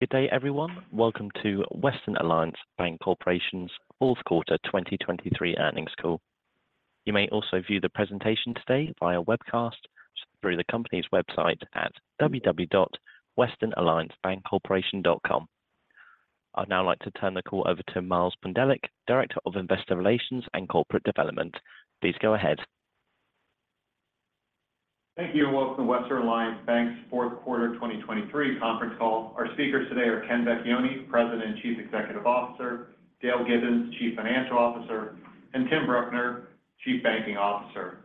Good day, everyone. Welcome to Western Alliance Bancorporation's fourth quarter 2023 earnings call. You may also view the presentation today via webcast through the company's website at www.westernalliancebancorporation.com. I'd now like to turn the call over to Miles Pondelik, Director of Investor Relations and Corporate Development. Please go ahead. Thank you, and welcome to Western Alliance Bank's fourth quarter 2023 conference call. Our speakers today are Ken Vecchione, President and Chief Executive Officer, Dale Gibbons, Chief Financial Officer, and Tim Bruckner, Chief Banking Officer,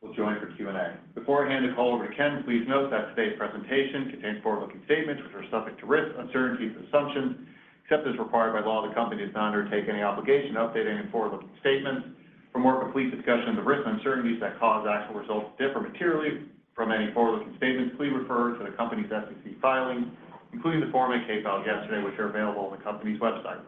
will join for Q&A. Before I hand the call over to Ken, please note that today's presentation contains forward-looking statements which are subject to risk, uncertainties, and assumptions. Except as required by law, the Company does not undertake any obligation to update any forward-looking statements. For more complete discussion of the risks and uncertainties that cause actual results to differ materially from any forward-looking statements, please refer to the Company's SEC filings, including the Form 10-K filed yesterday, which are available on the Company's website.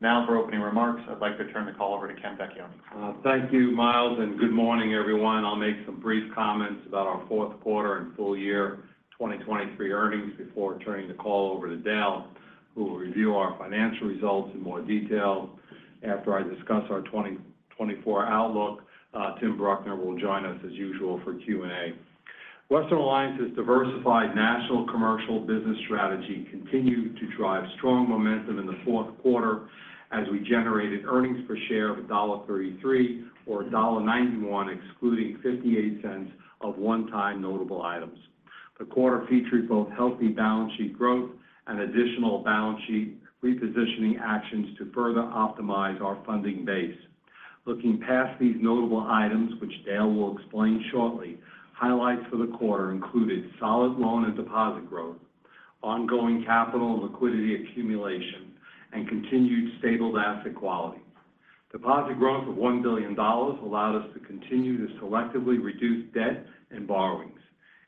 Now for opening remarks, I'd like to turn the call over to Ken Vecchione. Thank you, Miles, and good morning, everyone. I'll make some brief comments about our fourth quarter and full year 2023 earnings before turning the call over to Dale, who will review our financial results in more detail. After I discuss our 2024 outlook, Tim Bruckner will join us as usual for Q&A. Western Alliance's diversified national commercial business strategy continued to drive strong momentum in the fourth quarter as we generated earnings per share of $1.33 or $1.91, excluding $0.58 of one-time notable items. The quarter featured both healthy balance sheet growth and additional balance sheet repositioning actions to further optimize our funding base. Looking past these notable items, which Dale will explain shortly, highlights for the quarter included solid loan and deposit growth, ongoing capital and liquidity accumulation, and continued stable asset quality. Deposit growth of $1 billion allowed us to continue to selectively reduce debt and borrowings.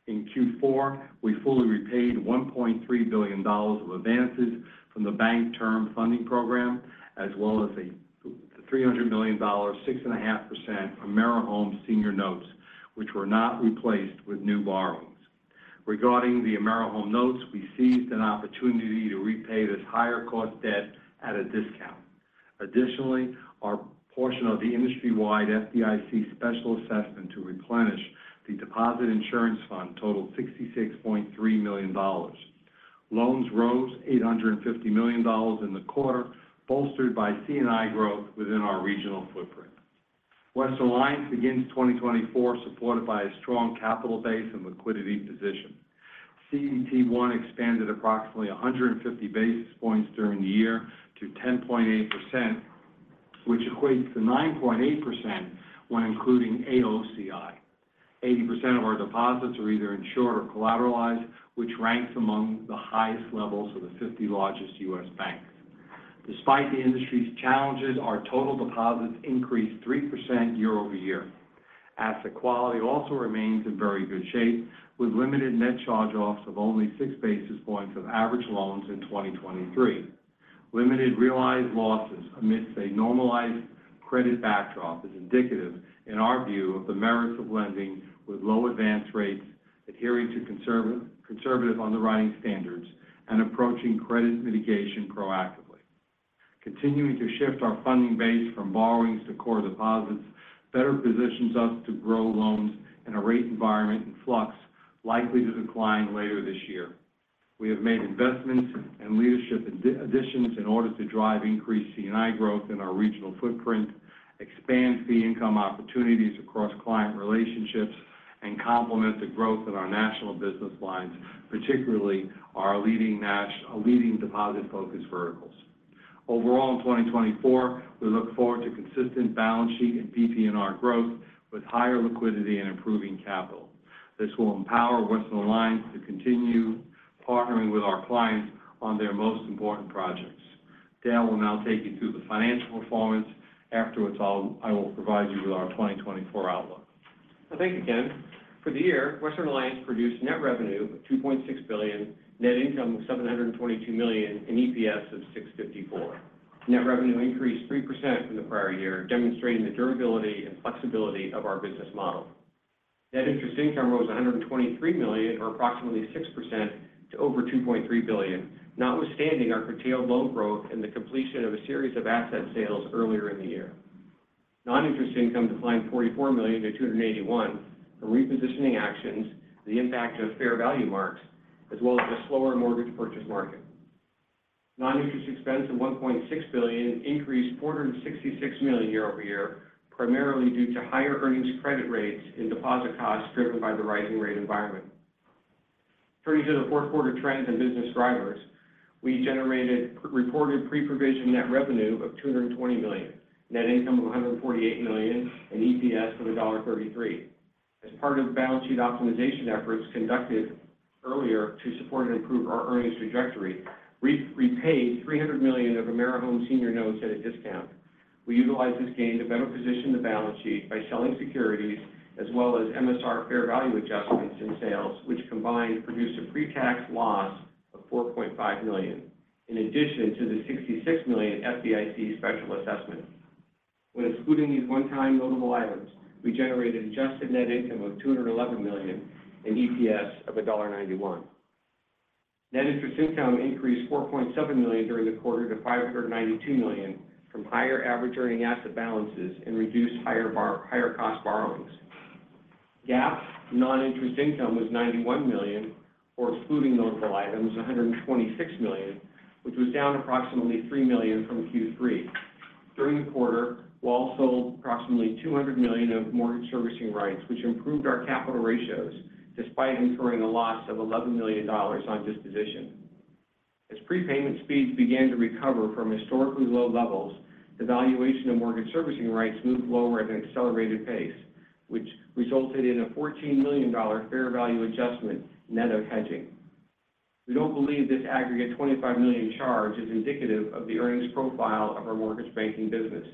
In Q4, we fully repaid $1.3 billion of advances from the Bank Term Funding Program, as well as $300 million, 6.5% AmeriHome senior notes, which were not replaced with new borrowings. Regarding the AmeriHome notes, we seized an opportunity to repay this higher-cost debt at a discount. Additionally, our portion of the industry-wide FDIC special assessment to replenish the Deposit Insurance Fund totaled $66.3 million. Loans rose $850 million in the quarter, bolstered by C&I growth within our regional footprint. Western Alliance begins 2024, supported by a strong capital base and liquidity position. CET1 expanded approximately 150 basis points during the year to 10.8%, which equates to 9.8% when including AOCI. 80% of our deposits are either insured or collateralized, which ranks among the highest levels of the 50 largest U.S. banks. Despite the industry's challenges, our total deposits increased 3% year-over-year. Asset quality also remains in very good shape, with limited net charge-offs of only 6 basis points of average loans in 2023. Limited realized losses amidst a normalized credit backdrop is indicative, in our view, of the merits of lending with low advanced rates, adhering to conservative, conservative underwriting standards, and approaching credit mitigation proactively. Continuing to shift our funding base from borrowings to core deposits better positions us to grow loans in a rate environment in flux, likely to decline later this year. We have made investments and leadership additions in order to drive increased C&I growth in our regional footprint, expand fee income opportunities across client relationships, and complement the growth in our national business lines, particularly our leading deposit-focused verticals. Overall, in 2024, we look forward to consistent balance sheet and PPNR growth with higher liquidity and improving capital. This will empower Western Alliance to continue partnering with our clients on their most important projects. Dale will now take you through the financial performance. Afterwards, I will provide you with our 2024 outlook. Thank you, Ken. For the year, Western Alliance produced net revenue of $2.6 billion, net income of $722 million, and EPS of $6.54. Net revenue increased 3% from the prior year, demonstrating the durability and flexibility of our business model. Net interest income rose $123 million, or approximately 6% to over $2.3 billion, notwithstanding our curtailed loan growth and the completion of a series of asset sales earlier in the year. Non-interest income declined $44 million to $281 million from repositioning actions, the impact of fair value marks, as well as the slower mortgage purchase market. Non-interest expense of $1.6 billion increased $466 million year-over-year, primarily due to higher earnings credit rates and deposit costs driven by the rising rate environment. Turning to the fourth quarter trends and business drivers, we generated reported pre-provision net revenue of $220 million, net income of $148 million, and EPS of $1.33. As part of the balance sheet optimization efforts conducted earlier to support and improve our earnings trajectory, we repaid $300 million of AmeriHome senior notes at a discount. We utilized this gain to better position the balance sheet by selling securities, as well as MSR fair value adjustments and sales, which combined produced a pre-tax loss of $4.5 million. In addition to the $66 million FDIC special assessment.... When excluding these one-time notable items, we generated adjusted net income of $211 million and EPS of $1.91. Net interest income increased $4.7 million during the quarter to $592 million from higher average earning asset balances and reduced higher cost borrowings. GAAP non-interest income was $91 million, or excluding notable items, $126 million, which was down approximately $3 million from Q3. During the quarter, WAL sold approximately $200 million of mortgage servicing rights, which improved our capital ratios, despite incurring a loss of $11 million on disposition. As prepayment speeds began to recover from historically low levels, the valuation of mortgage servicing rights moved lower at an accelerated pace, which resulted in a $14 million fair value adjustment net of hedging. We don't believe this aggregate $25 million charge is indicative of the earnings profile of our mortgage banking business.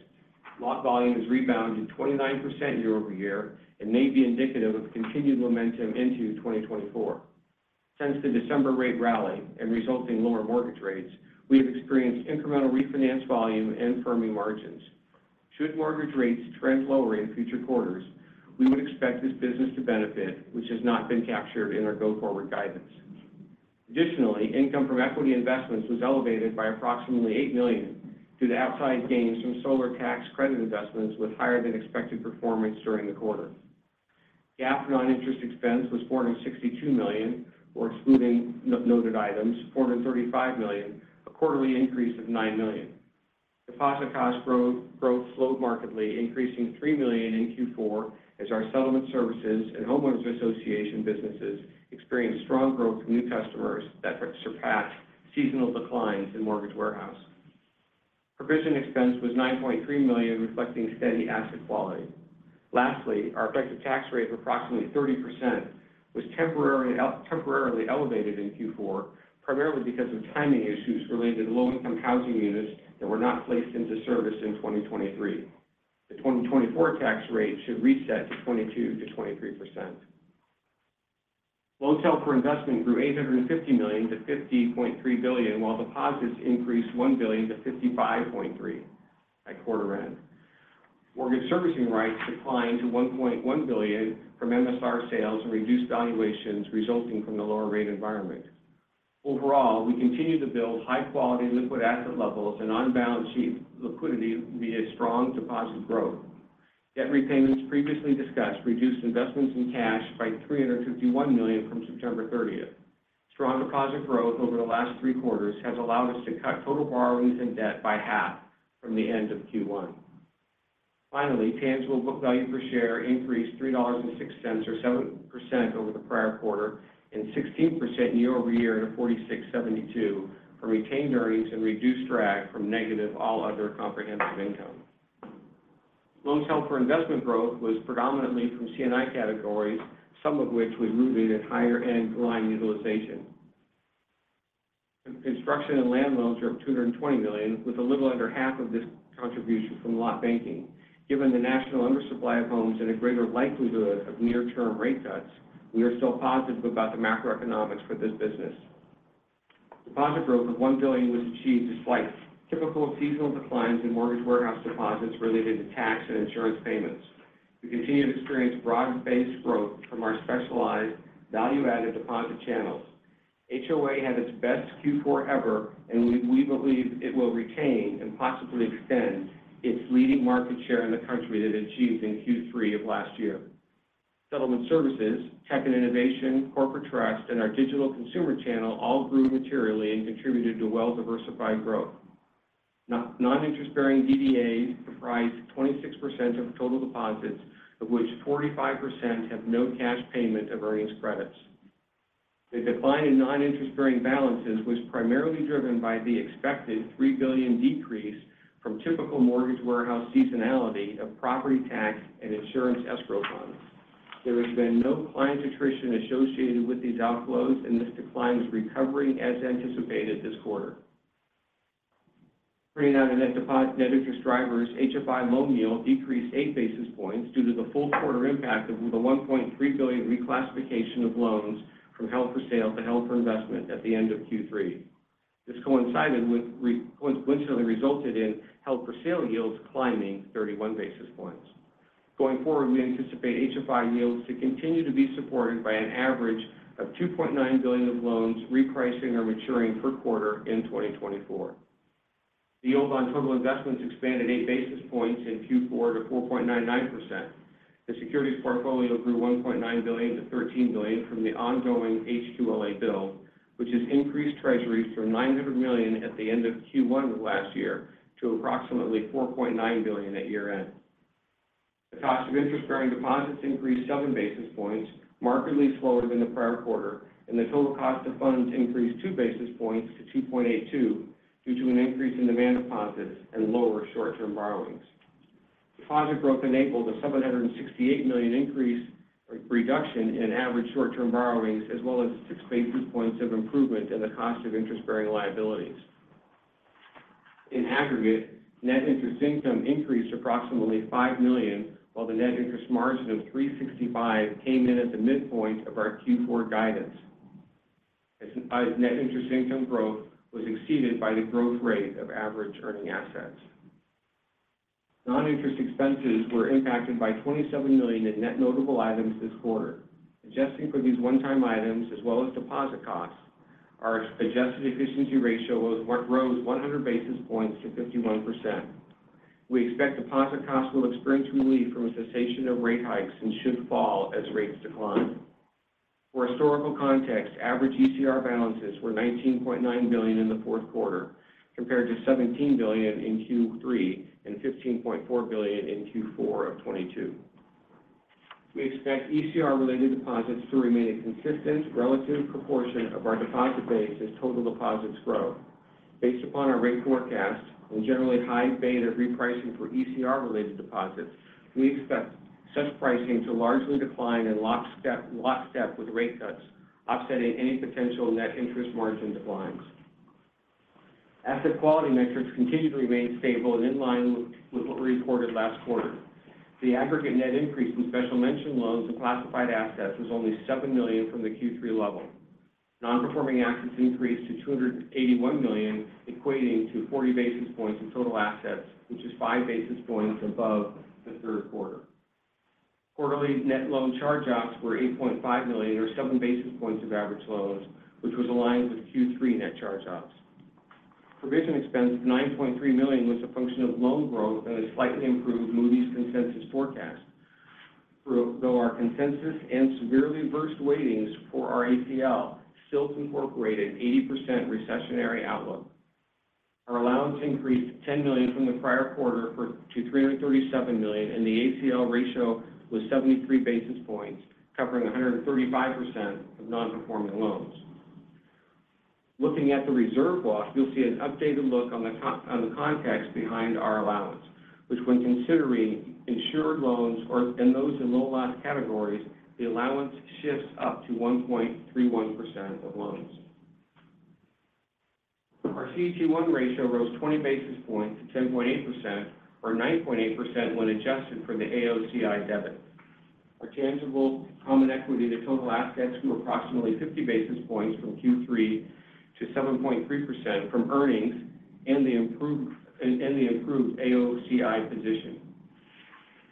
Loan volume has rebounded 29% year-over-year and may be indicative of continued momentum into 2024. Since the December rate rally and resulting lower mortgage rates, we have experienced incremental refinance volume and firming margins. Should mortgage rates trend lower in future quarters, we would expect this business to benefit, which has not been captured in our go-forward guidance. Additionally, income from equity investments was elevated by approximately $8 million due to outsized gains from solar tax credit investments with higher than expected performance during the quarter. GAAP non-interest expense was $462 million, or excluding noted items, $435 million, a quarterly increase of $9 million. Deposit cost growth slowed markedly, increasing $3 million in Q4 as our settlement services and homeowners association businesses experienced strong growth from new customers that surpassed seasonal declines in mortgage warehouse. Provision expense was $9.3 million, reflecting steady asset quality. Lastly, our effective tax rate of approximately 30% was temporarily elevated in Q4, primarily because of timing issues related to low-income housing units that were not placed into service in 2023. The 2024 tax rate should reset to 22%-23%. Loans held for investment grew $850 million to $50.3 billion, while deposits increased $1 billion to $55.3 billion at quarter end. Mortgage servicing rights declined to $1.1 billion from MSR sales and reduced valuations resulting from the lower rate environment. Overall, we continue to build high-quality liquid asset levels and on-balance sheet liquidity via strong deposit growth. Debt repayments previously discussed reduced investments in cash by $351 million from September 30. Strong deposit growth over the last 3 quarters has allowed us to cut total borrowings and debt by half from the end of Q1. Finally, tangible book value per share increased $3.06, or 7% over the prior quarter, and 16% year-over-year to $46.72 from retained earnings and reduced drag from negative all other comprehensive income. Loans held for investment growth was predominantly from C&I categories, some of which we believe in higher end line utilization. Construction and land loans are up $220 million, with a little under half of this contribution from lot banking. Given the national undersupply of homes and a greater likelihood of near-term rate cuts, we are still positive about the macroeconomics for this business. Deposit growth of $1 billion was achieved despite typical seasonal declines in mortgage warehouse deposits related to tax and insurance payments. We continue to experience broad-based growth from our specialized value-added deposit channels. HOA had its best Q4 ever, and we believe it will retain and possibly extend its leading market share in the country that it achieved in Q3 of last year. Settlement services, Tech and Innovation, Corporate Trust, and our Digital Consumer channel all grew materially and contributed to well-diversified growth. Non-interest-bearing DDAs comprised 26% of total deposits, of which 45% have no cash payment of earnings credits. The decline in non-interest-bearing balances was primarily driven by the expected $3 billion decrease from typical mortgage warehouse seasonality of property tax and insurance escrow funds. There has been no client attrition associated with these outflows, and this decline is recovering as anticipated this quarter. Bringing out net deposit net interest drivers, HFI loan yield decreased 8 basis points due to the full quarter impact of the $1.3 billion reclassification of loans from held-for-sale to held-for-investment at the end of Q3. This coincidentally resulted in held-for-sale yields climbing 31 basis points. Going forward, we anticipate HFI yields to continue to be supported by an average of $2.9 billion of loans repricing or maturing per quarter in 2024. The yield on total investments expanded 8 basis points in Q4 to 4.99%. The securities portfolio grew $1.9 billion to $13 billion from the ongoing HQLA build, which has increased Treasuries from $900 million at the end of Q1 of last year to approximately $4.9 billion at year-end. The cost of interest-bearing deposits increased 7 basis points, markedly slower than the prior quarter, and the total cost of funds increased 2 basis points to 2.82 due to an increase in demand deposits and lower short-term borrowings. Deposit growth enabled a $768 million increase, reduction in average short-term borrowings, as well as 6 basis points of improvement in the cost of interest-bearing liabilities. In aggregate, net interest income increased approximately $5 million, while the net interest margin of 3.65 came in at the midpoint of our Q4 guidance… as net interest income growth was exceeded by the growth rate of average earning assets. Non-interest expenses were impacted by $27 million in net notable items this quarter. Adjusting for these one-time items as well as deposit costs, our adjusted efficiency ratio rose 100 basis points to 51%. We expect deposit costs will experience relief from a cessation of rate hikes and should fall as rates decline. For historical context, average ECR balances were $19.9 billion in the fourth quarter, compared to $17 billion in Q3 and $15.4 billion in Q4 of 2022. We expect ECR-related deposits to remain a consistent relative proportion of our deposit base as total deposits grow. Based upon our rate forecast and generally high beta repricing for ECR-related deposits, we expect such pricing to largely decline in lock step, lockstep with rate cuts, offsetting any potential net interest margin declines. Asset quality metrics continue to remain stable and in line with what we reported last quarter. The aggregate net increase in special mention loans and classified assets was only $7 million from the Q3 level. Non-performing assets increased to $281 million, equating to 40 basis points in total assets, which is 5 basis points above the third quarter. Quarterly net loan charge-offs were $8.5 million, or 7 basis points of average loans, which was aligned with Q3 net charge-offs. Provision expense of $9.3 million was a function of loan growth and a slightly improved Moody's consensus forecast. Though our consensus and severely adverse weightings for our ACL still incorporate an 80% recessionary outlook. Our allowance increased $10 million from the prior quarter to $337 million, and the ACL ratio was 73 basis points, covering 135% of non-performing loans. Looking at the reserve loss, you'll see an updated look on the context behind our allowance, which when considering insured loans or and those in low loss categories, the allowance shifts up to 1.31% of loans. Our CET1 ratio rose 20 basis points to 10.8% or 9.8% when adjusted for the AOCI debit. Our tangible common equity to total assets grew approximately 50 basis points from Q3 to 7.3% from earnings and the improved AOCI position.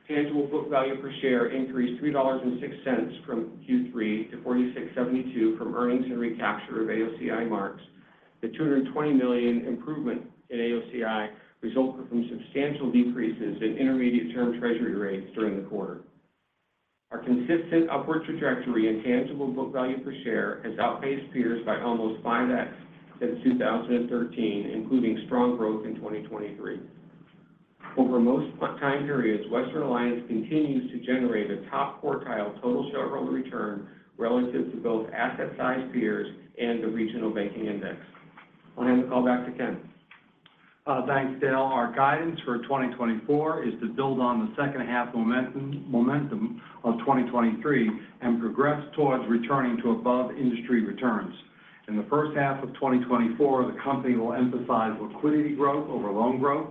Tangible book value per share increased $3.06 from Q3 to $46.72 from earnings and recapture of AOCI marks. The $220 million improvement in AOCI resulted from substantial decreases in intermediate-term Treasury rates during the quarter. Our consistent upward trajectory and tangible book value per share has outpaced peers by almost 5x since 2013, including strong growth in 2023. Over most time periods, Western Alliance continues to generate a top-quartile total shareholder return relative to both asset size peers and the regional banking index. I'll hand the call back to Ken. Thanks, Dale. Our guidance for 2024 is to build on the second half momentum, momentum of 2023 and progress towards returning to above-industry returns. In the first half of 2024, the company will emphasize liquidity growth over loan growth,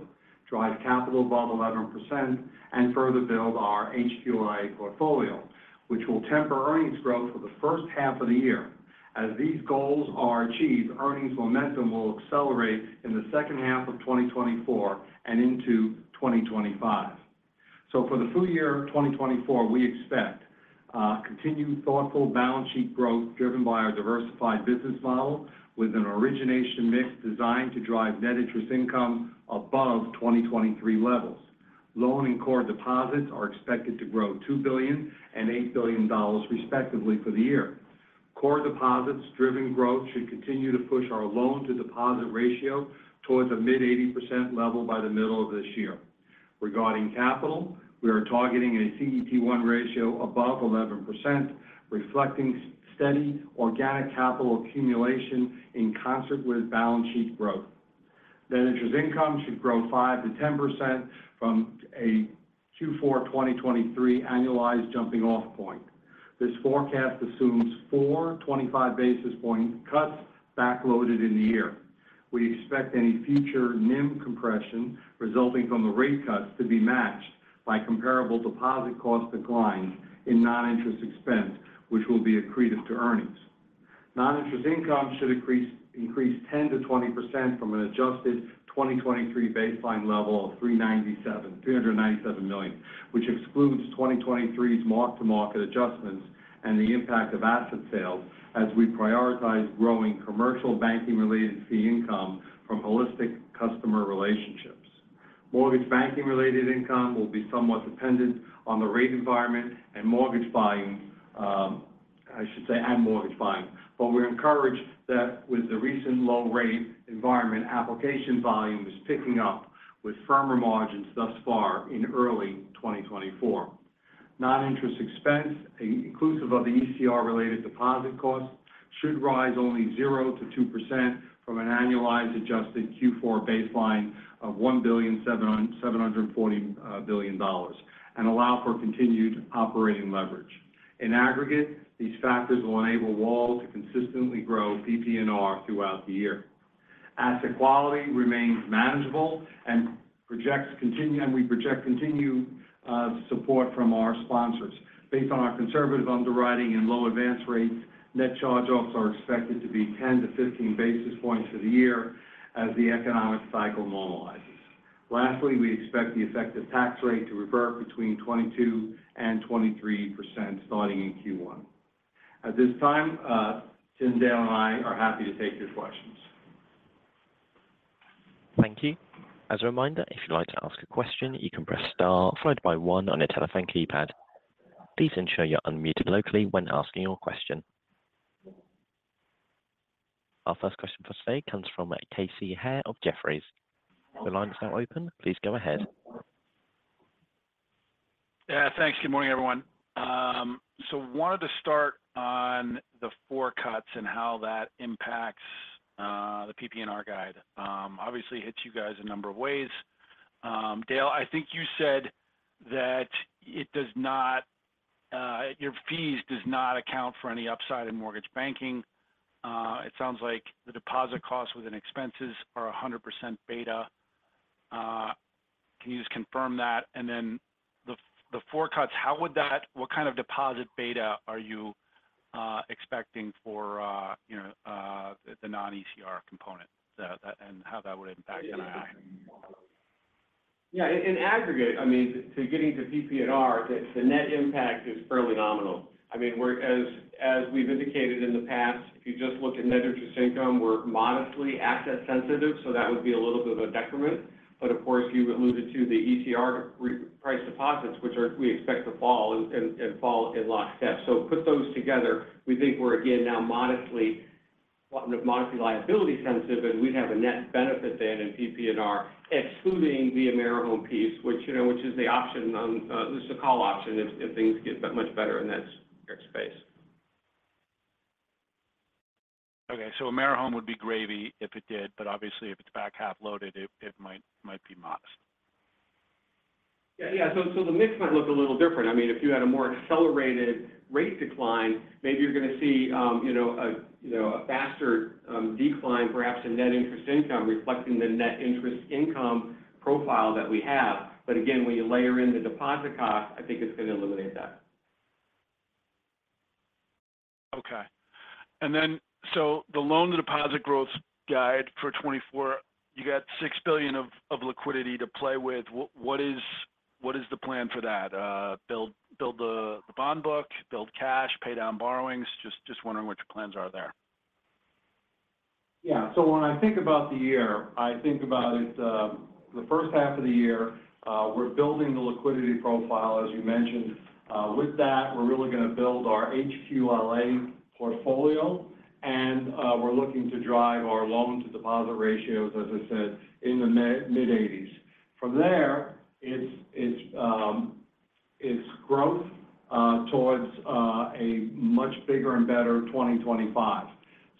drive capital above 11%, and further build our HQLA portfolio, which will temper earnings growth for the first half of the year. As these goals are achieved, earnings momentum will accelerate in the second half of 2024 and into 2025. For the full year of 2024, we expect continued thoughtful balance sheet growth driven by our diversified business model, with an origination mix designed to drive net interest income above 2023 levels. Loan and core deposits are expected to grow $2 billion and $8 billion, respectively, for the year. Core deposits-driven growth should continue to push our loan-to-deposit ratio towards a mid-80% level by the middle of this year. Regarding capital, we are targeting a CET1 ratio above 11%, reflecting steady organic capital accumulation in concert with balance sheet growth. Net interest income should grow 5%-10% from a Q4 2023 annualized jumping-off point. This forecast assumes four 25 basis point cuts backloaded in the year. We expect any future NIM compression resulting from the rate cuts to be matched by comparable deposit cost declines in non-interest expense, which will be accretive to earnings. Non-interest income should increase, increase 10%-20% from an adjusted 2023 baseline level of $397 million, which excludes 2023's mark-to-market adjustments and the impact of asset sales, as we prioritize growing commercial banking-related fee income from holistic customer relationships. Mortgage banking-related income will be somewhat dependent on the rate environment and mortgage buying, I should say, and mortgage buying. But we're encouraged that with the recent low rate environment, application volume is picking up with firmer margins thus far in early 2024. Non-interest expense, inclusive of the ECR-related deposit costs, should rise only 0%-2% from an annualized adjusted Q4 baseline of $1.74 billion and allow for continued operating leverage. In aggregate, these factors will enable WAL to consistently grow PPNR throughout the year. Asset quality remains manageable and we project continued support from our sponsors. Based on our conservative underwriting and low advance rates, net charge-offs are expected to be 10-15 basis points for the year as the economic cycle normalizes. Lastly, we expect the effective tax rate to revert between 22% and 23% starting in Q1. At this time, Tim, Dale, and I are happy to take your questions. Thank you. As a reminder, if you'd like to ask a question, you can press star followed by one on your telephone keypad. Please ensure you're unmuted locally when asking your question. Our first question for today comes from Casey Haire of Jefferies. Your line is now open. Please go ahead. Yeah, thanks. Good morning, everyone. So wanted to start on the 4 cuts and how that impacts the PPNR guide. Obviously, it hits you guys a number of ways. Dale, I think you said that it does not, your fees does not account for any upside in mortgage banking. It sounds like the deposit costs within expenses are 100% beta. Can you just confirm that? And then the 4 cuts, how would that what kind of deposit beta are you expecting for you know the non-ECR component, so that and how that would impact NII? Yeah, in aggregate, I mean, to getting to PPNR, the net impact is fairly nominal. I mean, we're as we've indicated in the past, if you just look at net interest income, we're modestly asset sensitive, so that would be a little bit of a decrement. But of course, you would lose it to the ECR re-priced deposits, which are, we expect to fall and fall in lockstep. So put those together, we think we're again now modestly, modestly liability sensitive, and we'd have a net benefit then in PPNR, excluding the AmeriHome piece, which, you know, which is the option on, this is a call option if, if things get much better in that space. Okay. So AmeriHome would be gravy if it did, but obviously, if it's back half loaded, it might be modest. Yeah, yeah. So the mix might look a little different. I mean, if you had a more accelerated rate decline, maybe you're going to see, you know, a faster decline, perhaps in net interest income, reflecting the net interest income profile that we have. But again, when you layer in the deposit cost, I think it's going to eliminate that. Okay. So the loan to deposit growth guide for 2024, you got $6 billion of liquidity to play with. What is the plan for that? Build the bond book, build cash, pay down borrowings? Just wondering what your plans are there. Yeah. So when I think about the year, I think about it, the first half of the year, we're building the liquidity profile, as you mentioned. With that, we're really going to build our HQLA portfolio, and we're looking to drive our loan to deposit ratios, as I said, in the mid-80s. From there, it's growth towards a much bigger and better 2025.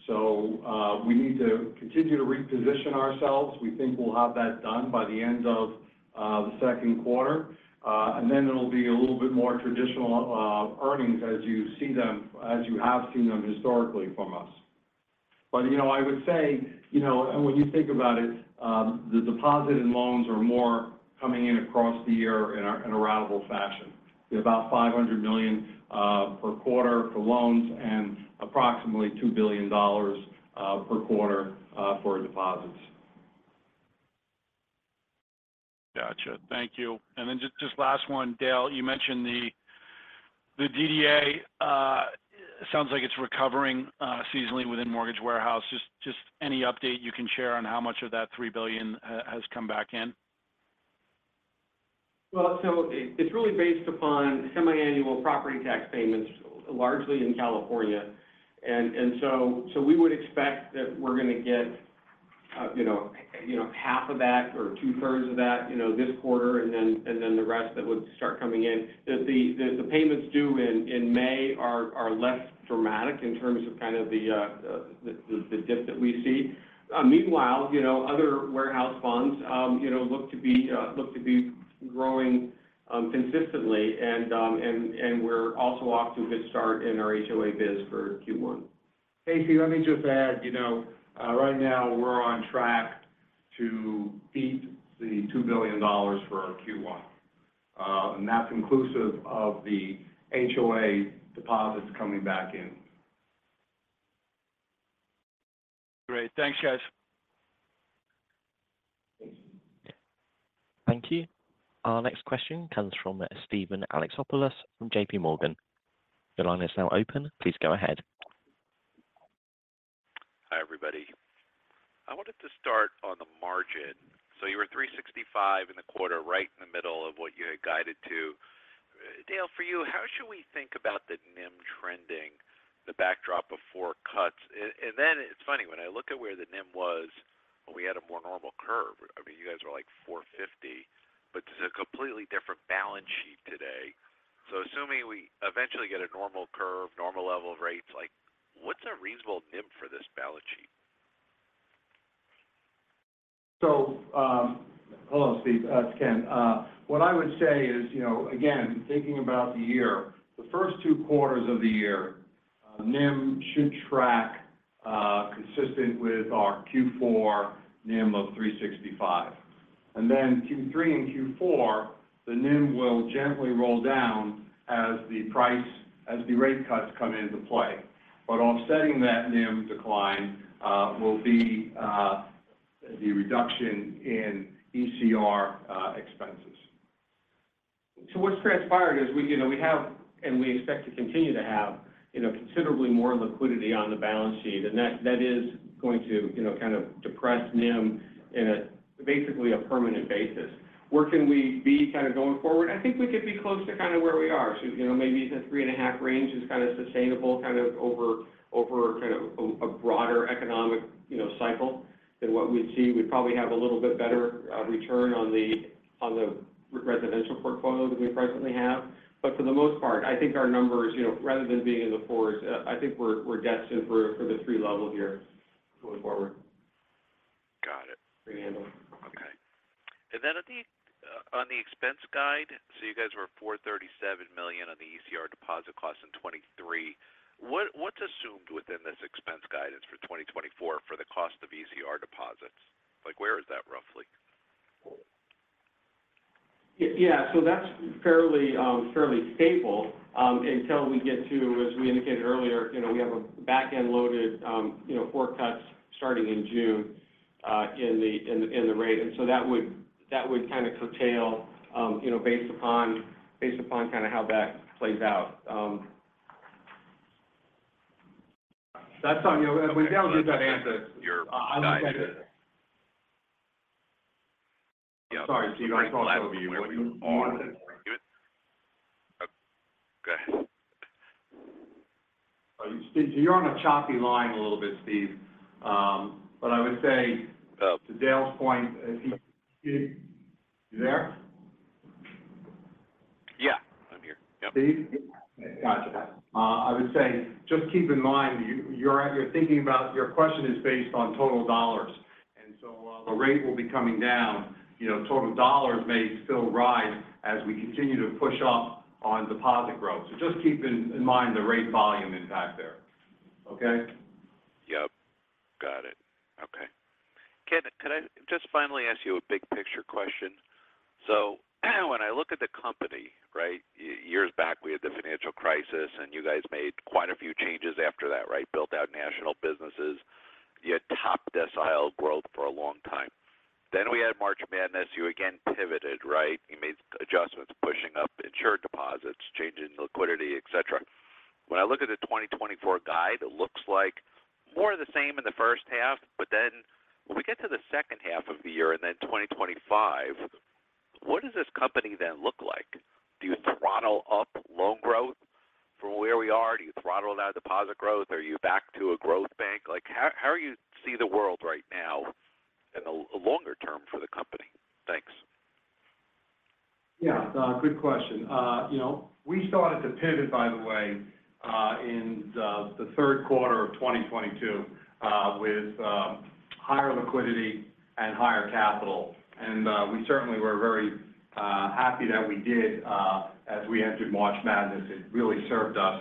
So, we need to continue to reposition ourselves. We think we'll have that done by the end of the second quarter, and then it'll be a little bit more traditional earnings as you see them, as you have seen them historically from us. But, you know, I would say, you know, and when you think about it, the deposit and loans are more coming in across the year in a ratable fashion. They're about $500 million per quarter for loans and approximately $2 billion per quarter for deposits. Gotcha. Thank you. And then just, just last one, Dale, you mentioned the, the DDA, sounds like it's recovering, seasonally within Mortgage Warehouse. Just, just any update you can share on how much of that $3 billion has come back in? Well, so it's really based upon semiannual property tax payments, largely in California. And so we would expect that we're going to get, you know, half of that or two-thirds of that, you know, this quarter, and then the rest of it would start coming in. The payments due in May are less dramatic in terms of kind of the dip that we see. Meanwhile, you know, other warehouse funds, you know, look to be growing consistently, and we're also off to a good start in our HOA biz for Q1. Casey, let me just add, you know, right now we're on track to beat $2 billion for our Q1, and that's inclusive of the HOA deposits coming back in. Great. Thanks, guys. Thank you. Our next question comes from Steven Alexopoulos from JP Morgan. Your line is now open. Please go ahead. Hi, everybody. I wanted to start on the margin. So you were 365 in the quarter, right in the middle of what you had guided to. Dale, for you, how should we think about the NIM trending, the backdrop of four cuts? And then it's funny, when I look at where the NIM was, when we had a more normal curve, I mean, you guys were like 450, but this is a completely different balance sheet today. So assuming we eventually get a normal curve, normal level of rates, like what's a reasonable NIM for this balance sheet?... So, hello, Steve. It's Ken. What I would say is, you know, again, thinking about the year, the first two quarters of the year, NIM should track consistent with our Q4 NIM of 3.65%. And then Q3 and Q4, the NIM will gently roll down as the rate cuts come into play. But offsetting that NIM decline, will be the reduction in ECR expenses. So what's transpired is we, you know, we have, and we expect to continue to have, you know, considerably more liquidity on the balance sheet, and that, that is going to, you know, kind of depress NIM in a basically a permanent basis. Where can we be kind of going forward? I think we could be close to kind of where we are. So, you know, maybe the 3.5 range is kind of sustainable, kind of over kind of a broader economic, you know, cycle than what we see. We probably have a little bit better return on the residential portfolio than we presently have. But for the most part, I think our numbers, you know, rather than being in the 4s, I think we're destined for the 3 level here going forward. Got it. Pretty handle. Okay. And then at the, on the expense guide, so you guys were $437 million on the ECR deposit costs in 2023. What's assumed within this expense guidance for 2024 for the cost of ECR deposits? Like, where is that roughly? Yeah, so that's fairly stable until we get to, as we indicated earlier, you know, we have a back-end loaded four cuts starting in June in the rate. And so that would kind of curtail, you know, based upon kind of how that plays out. That's on you. Well, Dale gave that answer. Your guide. I'm sorry, Steve, I talked over you. Go ahead. Steve, you're on a choppy line a little bit, Steve. But I would say- Oh. -to Dale's point, is he... You there? Yeah, I'm here. Yep. Steve? Gotcha. I would say, just keep in mind, you're thinking about your question is based on total dollars, and so, the rate will be coming down. You know, total dollars may still rise as we continue to push up on deposit growth. So just keep in mind the rate volume impact there. Okay? Yep. Got it. Okay. Ken, could I just finally ask you a big picture question? So when I look at the company, right, years back, we had the financial crisis, and you guys made quite a few changes after that, right? Built out national businesses. You had top decile growth for a long time. Then we had March Madness. You again pivoted, right? You made adjustments, pushing up insured deposits, changing liquidity, et cetera. When I look at the 2024 guide, it looks like more of the same in the first half, but then when we get to the second half of the year and then 2025, what does this company then look like? Do you throttle up loan growth from where we are? Do you throttle down deposit growth? Are you back to a growth bank? Like, how, how are you see the world right now in the longer term for the company? Thanks. Yeah, good question. You know, we started to pivot, by the way, in the third quarter of 2022, with higher liquidity and higher capital. And we certainly were very happy that we did, as we entered March Madness. It really served us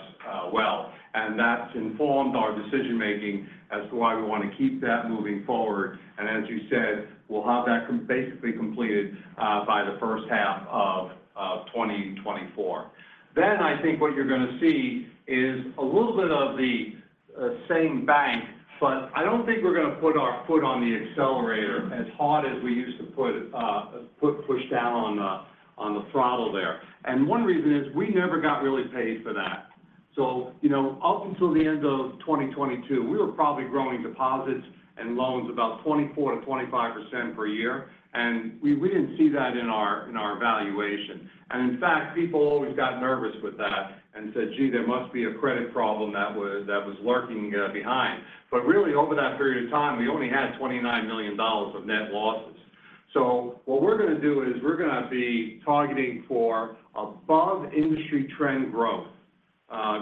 well, and that's informed our decision making as to why we want to keep that moving forward. And as you said, we'll have that basically completed by the first half of 2024. Then, I think what you're going to see is a little bit of the same bank, but I don't think we're going to put our foot on the accelerator as hard as we used to push down on the throttle there. And one reason is, we never got really paid for that. So, you know, up until the end of 2022, we were probably growing deposits and loans about 24%-25% per year, and we didn't see that in our valuation. And in fact, people always got nervous with that and said, "Gee, there must be a credit problem that was lurking behind." But really, over that period of time, we only had $29 million of net losses. So what we're going to do is we're going to be targeting for above industry trend growth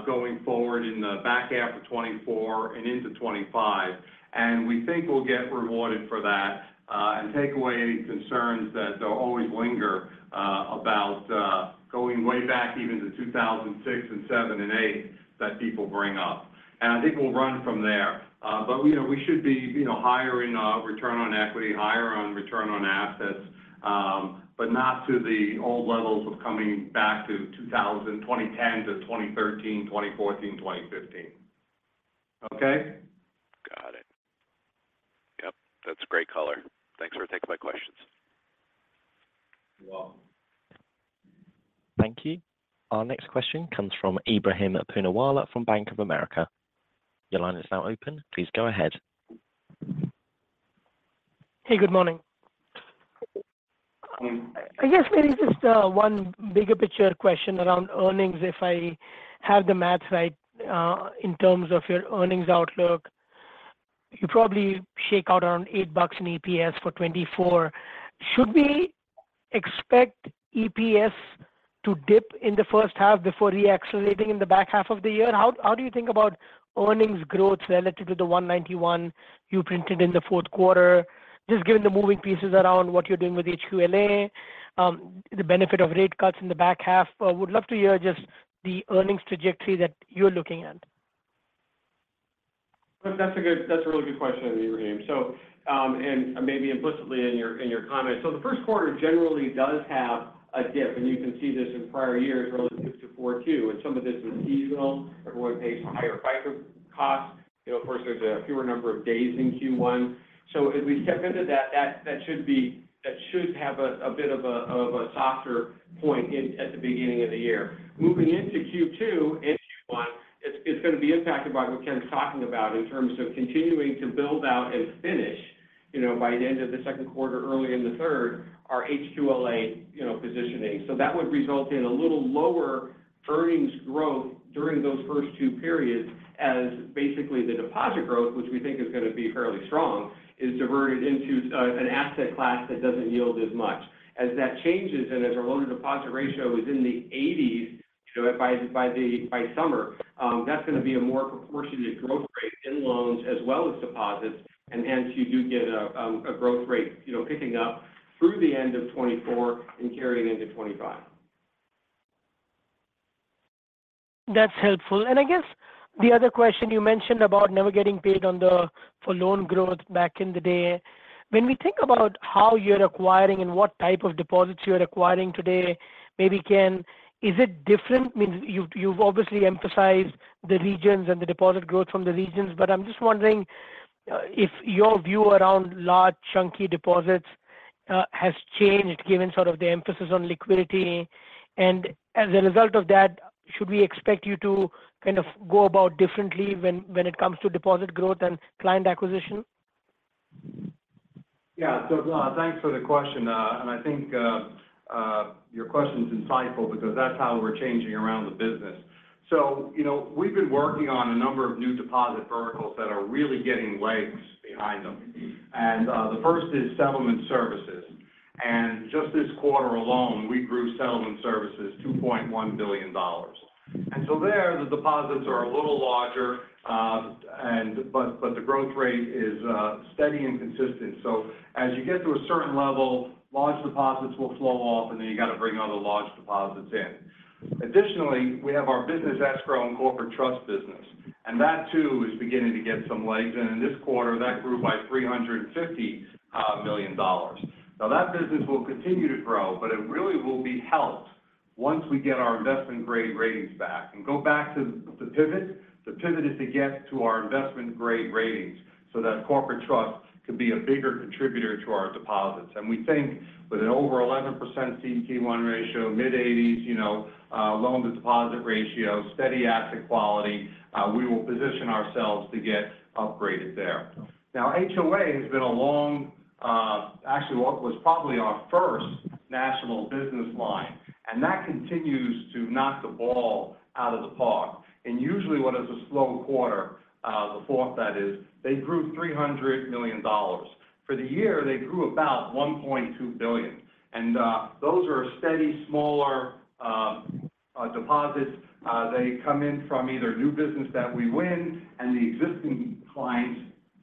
going forward in the back half of 2024 and into 2025. And we think we'll get rewarded for that and take away any concerns that they'll always linger about going way back even to 2006, 2007, and 2008, that people bring up. And I think we'll run from there. But, you know, we should be, you know, higher in return on equity, higher on return on assets, but not to the old levels of coming back to 2010 to 2013, 2014, 2015. Okay? Got it. Yep, that's great color. Thanks for taking my questions. You're welcome. Thank you. Our next question comes from Ebrahim Poonawala from Bank of America. Your line is now open. Please go ahead. Hey, good morning. I guess maybe just one bigger picture question around earnings, if I have the math right, in terms of your earnings outlook. You probably shake out around $8 in EPS for 2024. Should we expect EPS to dip in the first half before re-accelerating in the back half of the year? How do you think about earnings growth relative to the $1.91 you printed in the fourth quarter? Just given the moving pieces around what you're doing with HQLA, the benefit of rate cuts in the back half. But would love to hear just the earnings trajectory that you're looking at. That's a good, that's a really good question, Ebrahim. So, and maybe implicitly in your comment. So the first quarter generally does have a dip, and you can see this in prior years relative to Q4, and some of this is seasonal. Everyone pays higher FICA costs. You know, of course, there's a fewer number of days in Q1. So as we step into that, that should have a bit of a softer point in at the beginning of the year. Moving into Q2 and Q3, it's going to be impacted by what Ken's talking about in terms of continuing to build out and finish, you know, by the end of the second quarter, early in the third, our HQLA, you know, positioning. So that would result in a little lower earnings growth during those first two periods, as basically the deposit growth, which we think is going to be fairly strong, is diverted into an asset class that doesn't yield as much. As that changes and as our loan-to-deposit ratio is in the 80s, you know, by, by the, by summer, that's going to be a more proportionate growth rate in loans as well as deposits, and hence you do get a growth rate, you know, picking up through the end of 2024 and carrying into 2025. That's helpful. And I guess the other question you mentioned about never getting paid on the, for loan growth back in the day. When we think about how you're acquiring and what type of deposits you're acquiring today, maybe, Ken, is it different? I mean, you've obviously emphasized the regions and the deposit growth from the regions, but I'm just wondering if your view around large, chunky deposits has changed given sort of the emphasis on liquidity. And as a result of that, should we expect you to kind of go about differently when it comes to deposit growth and client acquisition? Yeah. So, thanks for the question, and I think, your question is insightful because that's how we're changing around the business. So, you know, we've been working on a number of new deposit verticals that are really getting legs behind them. And, the first is settlement services. And just this quarter alone, we grew settlement services $2.1 billion. And so there, the deposits are a little larger, and but, but the growth rate is, steady and consistent. So as you get to a certain level, large deposits will flow off, and then you got to bring other large deposits in. Additionally, we have our Business Escrow and Corporate Trust business, and that too is beginning to get some legs in. In this quarter, that grew by $350 million. Now, that business will continue to grow, but it really will be helped once we get our investment grade ratings back. And go back to the pivot, the pivot is to get to our investment grade ratings so that Corporate Trust can be a bigger contributor to our deposits. And we think with an over 11% CET1 ratio, mid-80s, you know, loan-to-deposit ratio, steady asset quality, we will position ourselves to get upgraded there. Now, HOA has been a long, actually, what was probably our first national business line, and that continues to knock the ball out of the park. And usually what is a slow quarter, the fourth, that is, they grew $300 million. For the year, they grew about $1.2 billion, and those are steady, smaller deposits. They come in from either new business that we win and the existing clients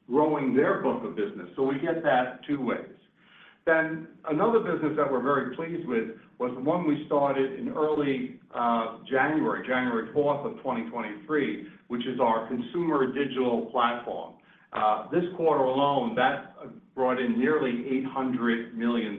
growing their book of business. So we get that two ways. Then another business that we're very pleased with was the one we started in early, January, January fourth of 2023, which is our consumer digital platform. This quarter alone, that brought in nearly $800 million,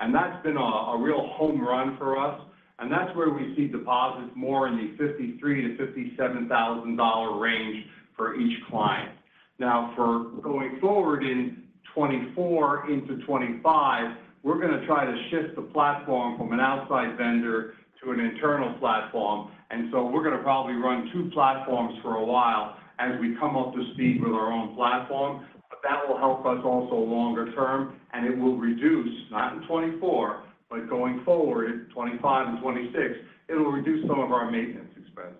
and that's been a, a real home run for us. And that's where we see deposits more in the $53,000-$57,000 range for each client. Now, for going forward in 2024 into 2025, we're going to try to shift the platform from an outside vendor to an internal platform. And so we're going to probably run two platforms for a while as we come up to speed with our own platform. But that will help us also longer term, and it will reduce, not in 2024, but going forward, in 2025 and 2026, it will reduce some of our maintenance expenses.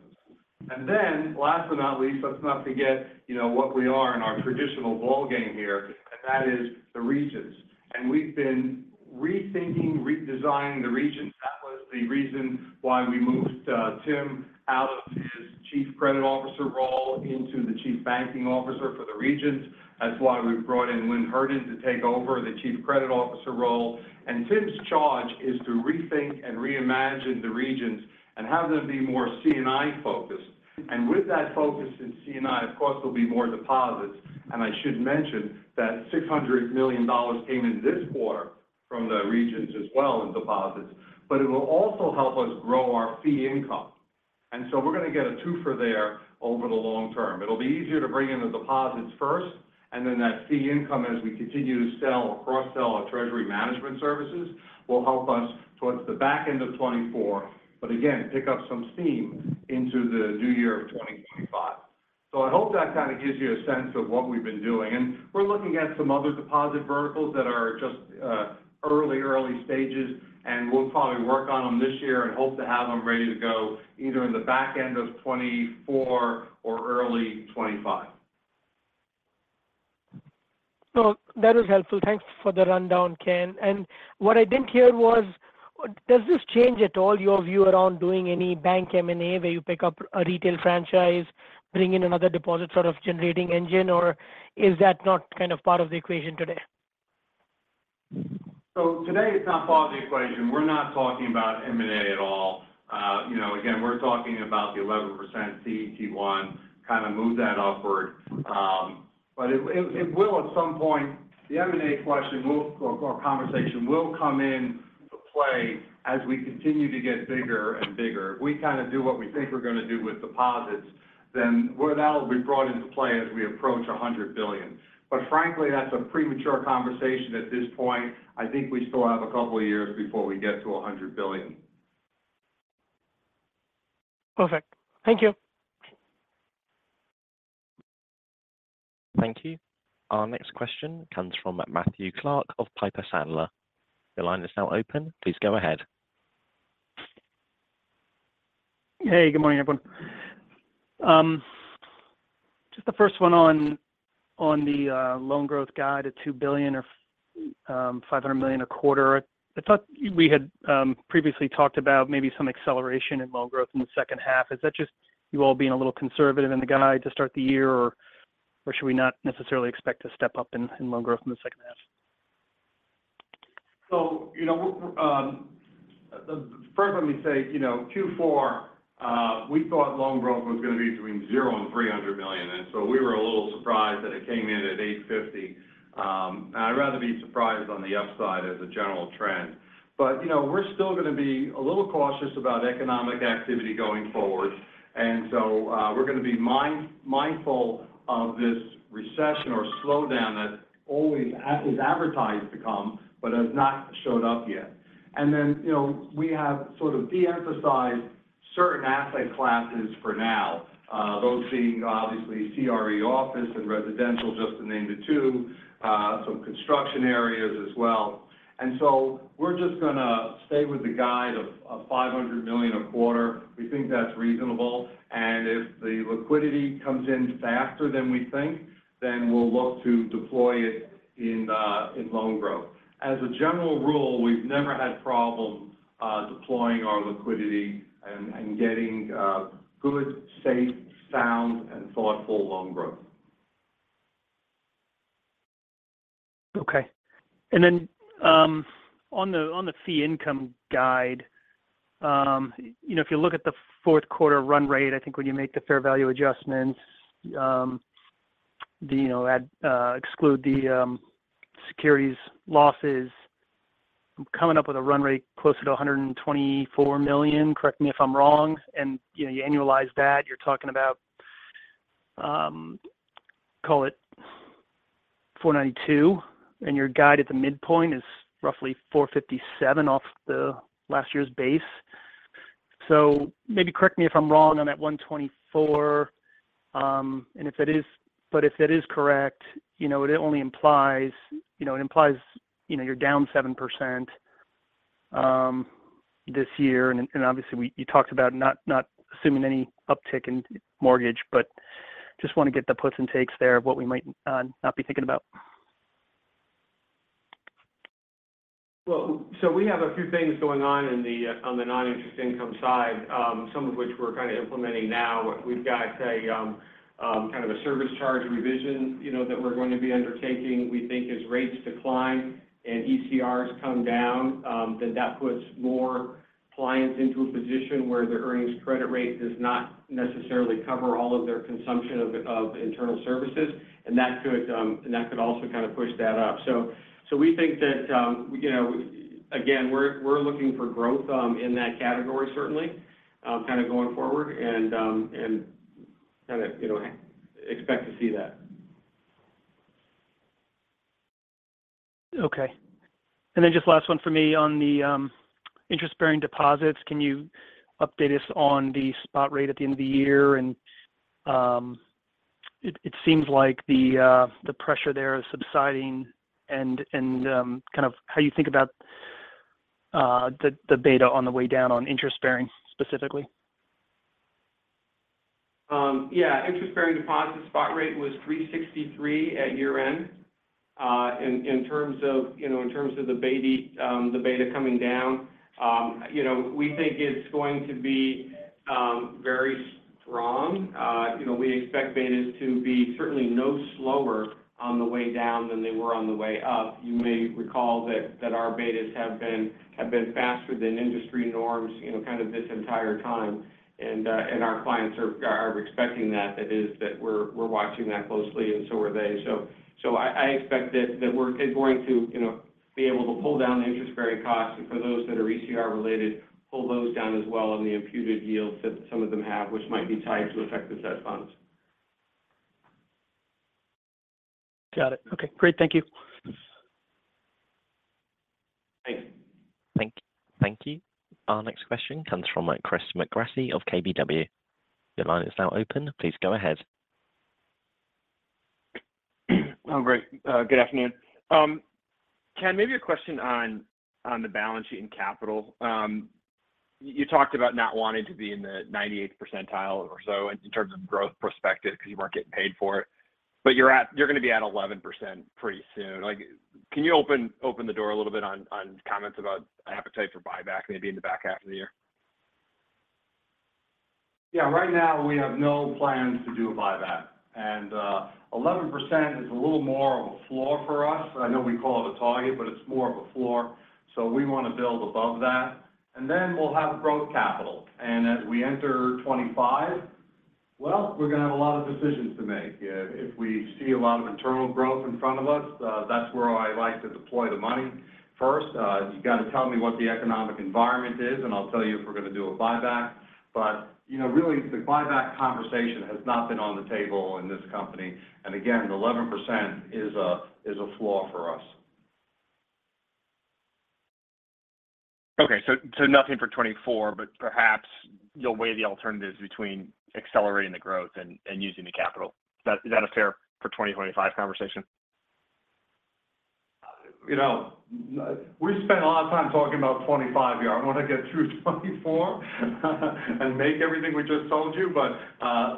Then, last but not least, let's not forget, you know, what we are in our traditional ballgame here, and that is the regions. And we've been rethinking, redesigning the regions. That was the reason why we moved Tim out of his Chief Credit Officer role into the Chief Banking Officer for the regions. That's why we brought in Lynne Herndon to take over the Chief Credit Officer role. And Tim's charge is to rethink and reimagine the regions and have them be more C&I focused. And with that focus in C&I, of course, there'll be more deposits. I should mention that $600 million came in this quarter from the regions as well in deposits, but it will also help us grow our fee income. So we're going to get a twofer there over the long term. It'll be easier to bring in the deposits first, and then that fee income, as we continue to sell or cross-sell our treasury management services, will help us towards the back end of 2024, but again, pick up some steam into the new year of 2025. So I hope that kind of gives you a sense of what we've been doing. We're looking at some other deposit verticals that are just, early, early stages, and we'll probably work on them this year and hope to have them ready to go either in the back end of 2024 or early 2025.... So that was helpful. Thanks for the rundown, Ken. And what I didn't hear was, does this change at all your view around doing any bank M&A, where you pick up a retail franchise, bring in another deposit sort of generating engine, or is that not kind of part of the equation today? So today, it's not part of the equation. We're not talking about M&A at all. You know, again, we're talking about the 11% CET1, kind of move that upward. But it, it will at some point, the M&A question will, or conversation, will come into play as we continue to get bigger and bigger. If we kind of do what we think we're going to do with deposits, then well, that'll be brought into play as we approach $100 billion. But frankly, that's a premature conversation at this point. I think we still have a couple of years before we get to $100 billion. Perfect. Thank you. Thank you. Our next question comes from Matthew Clark of Piper Sandler. Your line is now open. Please go ahead. Hey, good morning, everyone. Just the first one on the loan growth guide of $2 billion or $500 million a quarter. I thought we had previously talked about maybe some acceleration in loan growth in the second half. Is that just you all being a little conservative in the guide to start the year, or should we not necessarily expect to step up in loan growth in the second half? So, you know, first let me say, you know, Q4, we thought loan growth was going to be between $0 and $300 million, and so we were a little surprised that it came in at $850 million. I'd rather be surprised on the upside as a general trend. But, you know, we're still going to be a little cautious about economic activity going forward. And so, we're going to be mindful of this recession or slowdown that always is advertised to come, but has not showed up yet. And then, you know, we have sort of de-emphasized certain asset classes for now, those being obviously CRE office and residential, just to name the two, some construction areas as well. And so we're just going to stay with the guide of $500 million a quarter. We think that's reasonable. If the liquidity comes in faster than we think, then we'll look to deploy it in loan growth. As a general rule, we've never had problems deploying our liquidity and getting good, safe, sound, and thoughtful loan growth. Okay. And then, on the fee income guide, you know, if you look at the fourth quarter run rate, I think when you make the fair value adjustments, you know, add, exclude the securities losses, I'm coming up with a run rate closer to $124 million. Correct me if I'm wrong, and, you know, you annualize that, you're talking about, call it $492 million, and your guide at the midpoint is roughly $457 million off the last year's base. So maybe correct me if I'm wrong on that $124 million, and if it is, but if it is correct, you know, it only implies, you know, you're down 7% this year. And obviously, we—you talked about not assuming any uptick in mortgage, but just want to get the puts and takes there of what we might not be thinking about. Well, so we have a few things going on in the on the non-interest income side, some of which we're kind of implementing now. We've got a kind of a service charge revision, you know, that we're going to be undertaking. We think as rates decline and ECRs come down, then that puts more clients into a position where their earnings credit rate does not necessarily cover all of their consumption of internal services, and that could also kind of push that up. So we think that, you know, again, we're looking for growth in that category, certainly, kind of going forward and kind of, you know, expect to see that. Okay. And then just last one for me on the interest-bearing deposits. Can you update us on the spot rate at the end of the year? And it seems like the pressure there is subsiding and kind of how you think about the beta on the way down on interest-bearing, specifically? Yeah, interest-bearing deposit spot rate was 3.63 at year-end. In terms of, you know, in terms of the beta, the beta coming down, you know, we think it's going to be very strong. You know, we expect betas to be certainly no slower on the way down than they were on the way up. You may recall that our betas have been faster than industry norms, you know, kind of this entire time. And our clients are expecting that. That is, that we're watching that closely, and so are they. So, I expect that we're going to, you know, be able to pull down the interest-bearing costs, and for those that are ECR related, pull those down as well on the imputed yields that some of them have, which might be tied to effective Fed Funds. Got it. Okay, great. Thank you. Thanks. Thank you. Our next question comes from Chris McGratty of KBW. Your line is now open. Please go ahead. All right. Good afternoon.... Ken, maybe a question on the balance sheet and capital. You talked about not wanting to be in the 98th percentile or so in terms of growth perspective, because you weren't getting paid for it, but you're at - you're going to be at 11% pretty soon. Like, can you open the door a little bit on comments about appetite for buyback, maybe in the back half of the year? Yeah. Right now, we have no plans to do a buyback, and, 11% is a little more of a floor for us. I know we call it a target, but it's more of a floor, so we want to build above that. And then we'll have growth capital. And as we enter 2025, well, we're going to have a lot of decisions to make. If we see a lot of internal growth in front of us, that's where I like to deploy the money first. You got to tell me what the economic environment is, and I'll tell you if we're going to do a buyback. But, you know, really, the buyback conversation has not been on the table in this company. And again, 11% is a floor for us. Okay. So nothing for 2024, but perhaps you'll weigh the alternatives between accelerating the growth and using the capital. Is that a fair for 2025 conversation? You know, we spent a lot of time talking about 2025 here. I want to get through 2024 and make everything we just told you, but,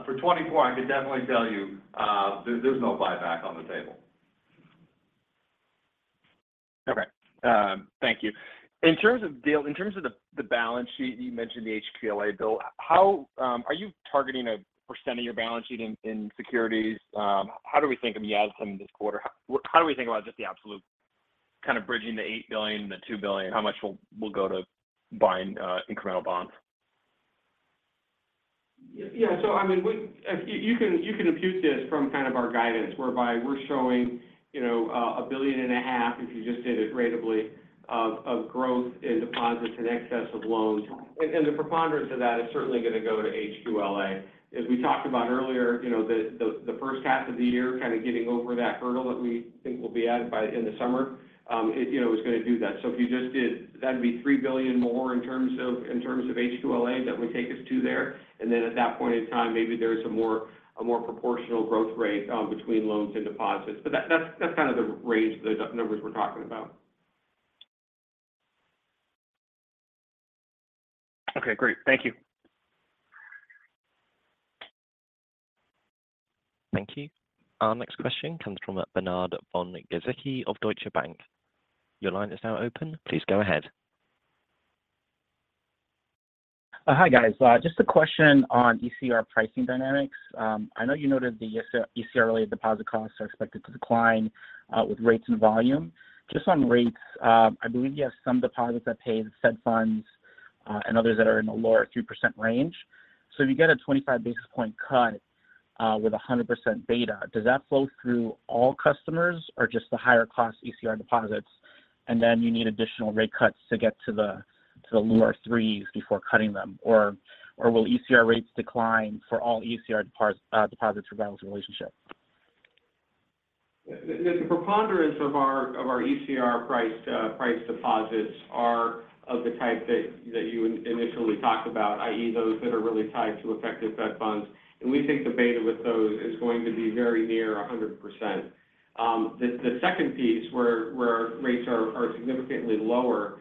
for 2024, I can definitely tell you, there's, there's no buyback on the table. Okay. Thank you. In terms of, Dale, in terms of the balance sheet, you mentioned the HQLA build. How are you targeting a percent of your balance sheet in securities? How do we think of the outcome this quarter? How do we think about just the absolute kind of bridging the $8 billion and the $2 billion? How much will go to buying incremental bonds? Yeah. So I mean, we, you can impute this from kind of our guidance, whereby we're showing, you know, $1.5 billion, if you just did it ratably, of growth in deposits in excess of loans. And the preponderance of that is certainly going to go to HQLA. As we talked about earlier, you know, the first half of the year, kind of getting over that hurdle that we think will be added by in the summer, you know, is going to do that. So if you just did, that'd be $3 billion more in terms of HQLA, that would take us to there. And then at that point in time, maybe there's a more proportional growth rate between loans and deposits. But that's, that's kind of the range of the numbers we're talking about. Okay, great. Thank you. Thank you. Our next question comes from Bernard von Gizycki of Deutsche Bank. Your line is now open. Please go ahead. Hi, guys. Just a question on ECR pricing dynamics. I know you noted the ECR-related deposit costs are expected to decline with rates and volume. Just on rates, I believe you have some deposits that pay the Fed Funds, and others that are in the lower 3% range. So if you get a 25 basis point cut, with a 100% beta, does that flow through all customers or just the higher cost ECR deposits, and then you need additional rate cuts to get to the lower 3s before cutting them? Or, will ECR rates decline for all ECR deposits regardless of relationship? The preponderance of our ECR priced price deposits are of the type that you initially talked about, i.e., those that are really tied to effective Fed Funds, and we think the beta with those is going to be very near 100%. The second piece where rates are significantly lower,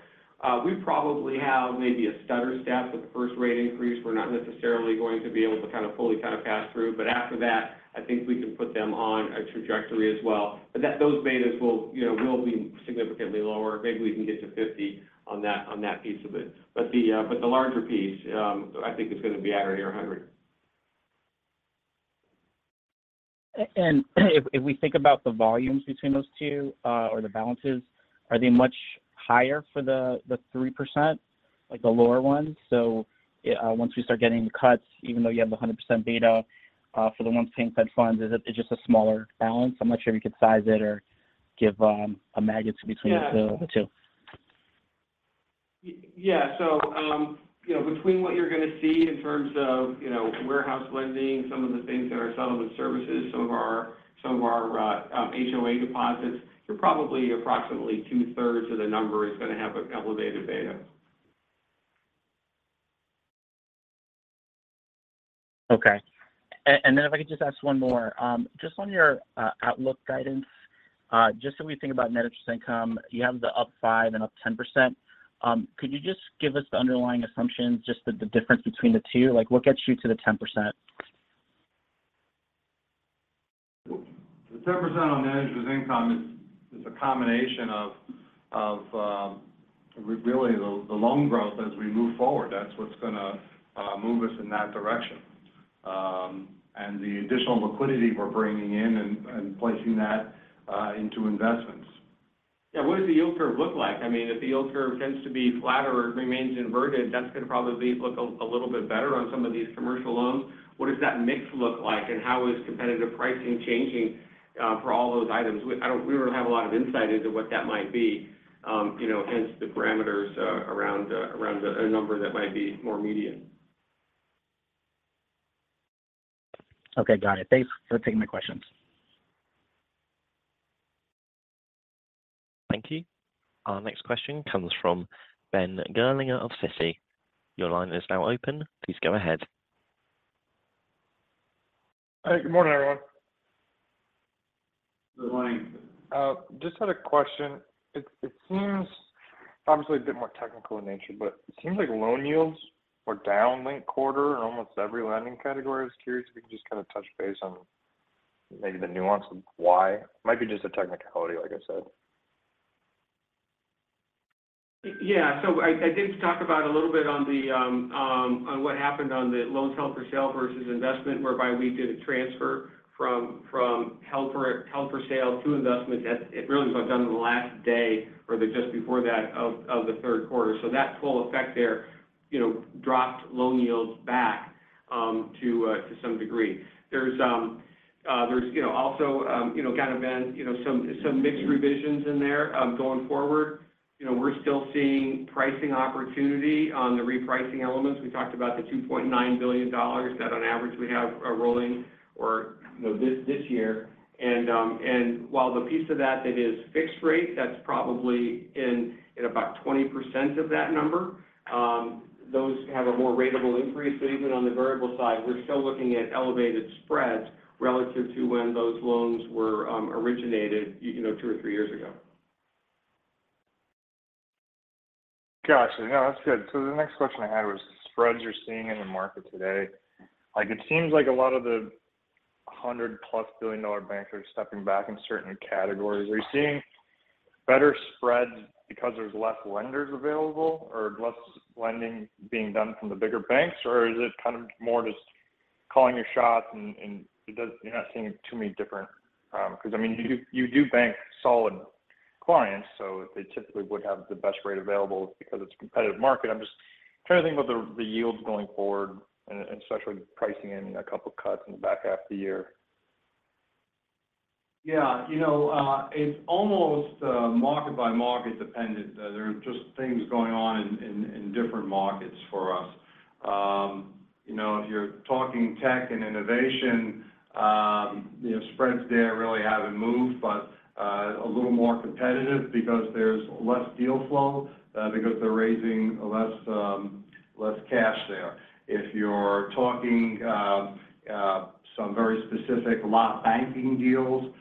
we probably have maybe a stutter step with the first rate increase. We're not necessarily going to be able to kind of fully kind of pass through, but after that, I think we can put them on a trajectory as well. But that those betas will, you know, will be significantly lower. Maybe we can get to 50 on that piece of it. But the larger piece, I think is going to be at or near 100. If we think about the volumes between those two, or the balances, are they much higher for the, the 3%, like the lower ones? So, once we start getting the cuts, even though you have a 100% beta, for the ones paying Fed Funds, is it just a smaller balance? I'm not sure if you could size it or give a magnitude between the two. Yeah. So, you know, between what you're going to see in terms of, you know, warehouse lending, some of the things that are settlement services, some of our HOA deposits, you're probably approximately 2/3 of the number is going to have an elevated beta. Okay. And then if I could just ask one more. Just on your outlook guidance, just so we think about net interest income, you have the up 5% and up 10%. Could you just give us the underlying assumptions, just the difference between the two? Like, what gets you to the 10%? The 10% on net interest income is a combination of really the loan growth as we move forward. That's what's gonna move us in that direction. And the additional liquidity we're bringing in and placing that into investments. Yeah. What does the yield curve look like? I mean, if the yield curve tends to be flatter or remains inverted, that's going to probably look a little bit better on some of these commercial loans. What does that mix look like, and how is competitive pricing changing for all those items? We don't have a lot of insight into what that might be, you know, hence the parameters around a number that might be more median. Okay, got it. Thanks for taking my questions. Thank you. Our next question comes from Ben Gerlinger of Citi. Your line is now open. Please go ahead.... Hi, good morning, everyone. Good morning. Just had a question. It, it seems obviously a bit more technical in nature, but it seems like loan yields were down late quarter in almost every lending category. I was curious if you could just kind of touch base on maybe the nuance of why. Might be just a technicality, like I said. Yeah. So I think we talked about a little bit on what happened on the loans held for sale versus investment, whereby we did a transfer from held for sale to investment. That it really was done in the last day or just before that of the third quarter. So that full effect there, you know, dropped loan yields back to some degree. There's also, you know, kind of been some mixed revisions in there going forward. You know, we're still seeing pricing opportunity on the repricing elements. We talked about the $2.9 billion that on average we have rolling this year. And while the piece of that that is fixed rate, that's probably in at about 20% of that number. Those have a more ratable increase, but even on the variable side, we're still looking at elevated spreads relative to when those loans were originated, you know, two or three years ago. Gotcha. No, that's good. So the next question I had was the spreads you're seeing in the market today. Like, it seems like a lot of the 100+ billion-dollar banks are stepping back in certain categories. Are you seeing better spreads because there's less lenders available or less lending being done from the bigger banks? Or is it kind of more just calling your shots and you're not seeing too many different? Because, I mean, you do bank solid clients, so they typically would have the best rate available because it's a competitive market. I'm just trying to think about the yields going forward and especially with pricing in a couple of cuts in the back half of the year. Yeah. You know, it's almost market-by-market dependent. There are just things going on in different markets for us. You know, if you're talking tech and innovation, you know, spreads there really haven't moved, but a little more competitive because there's less deal flow, because they're raising less less cash there. If you're talking some very specific lot banking deals,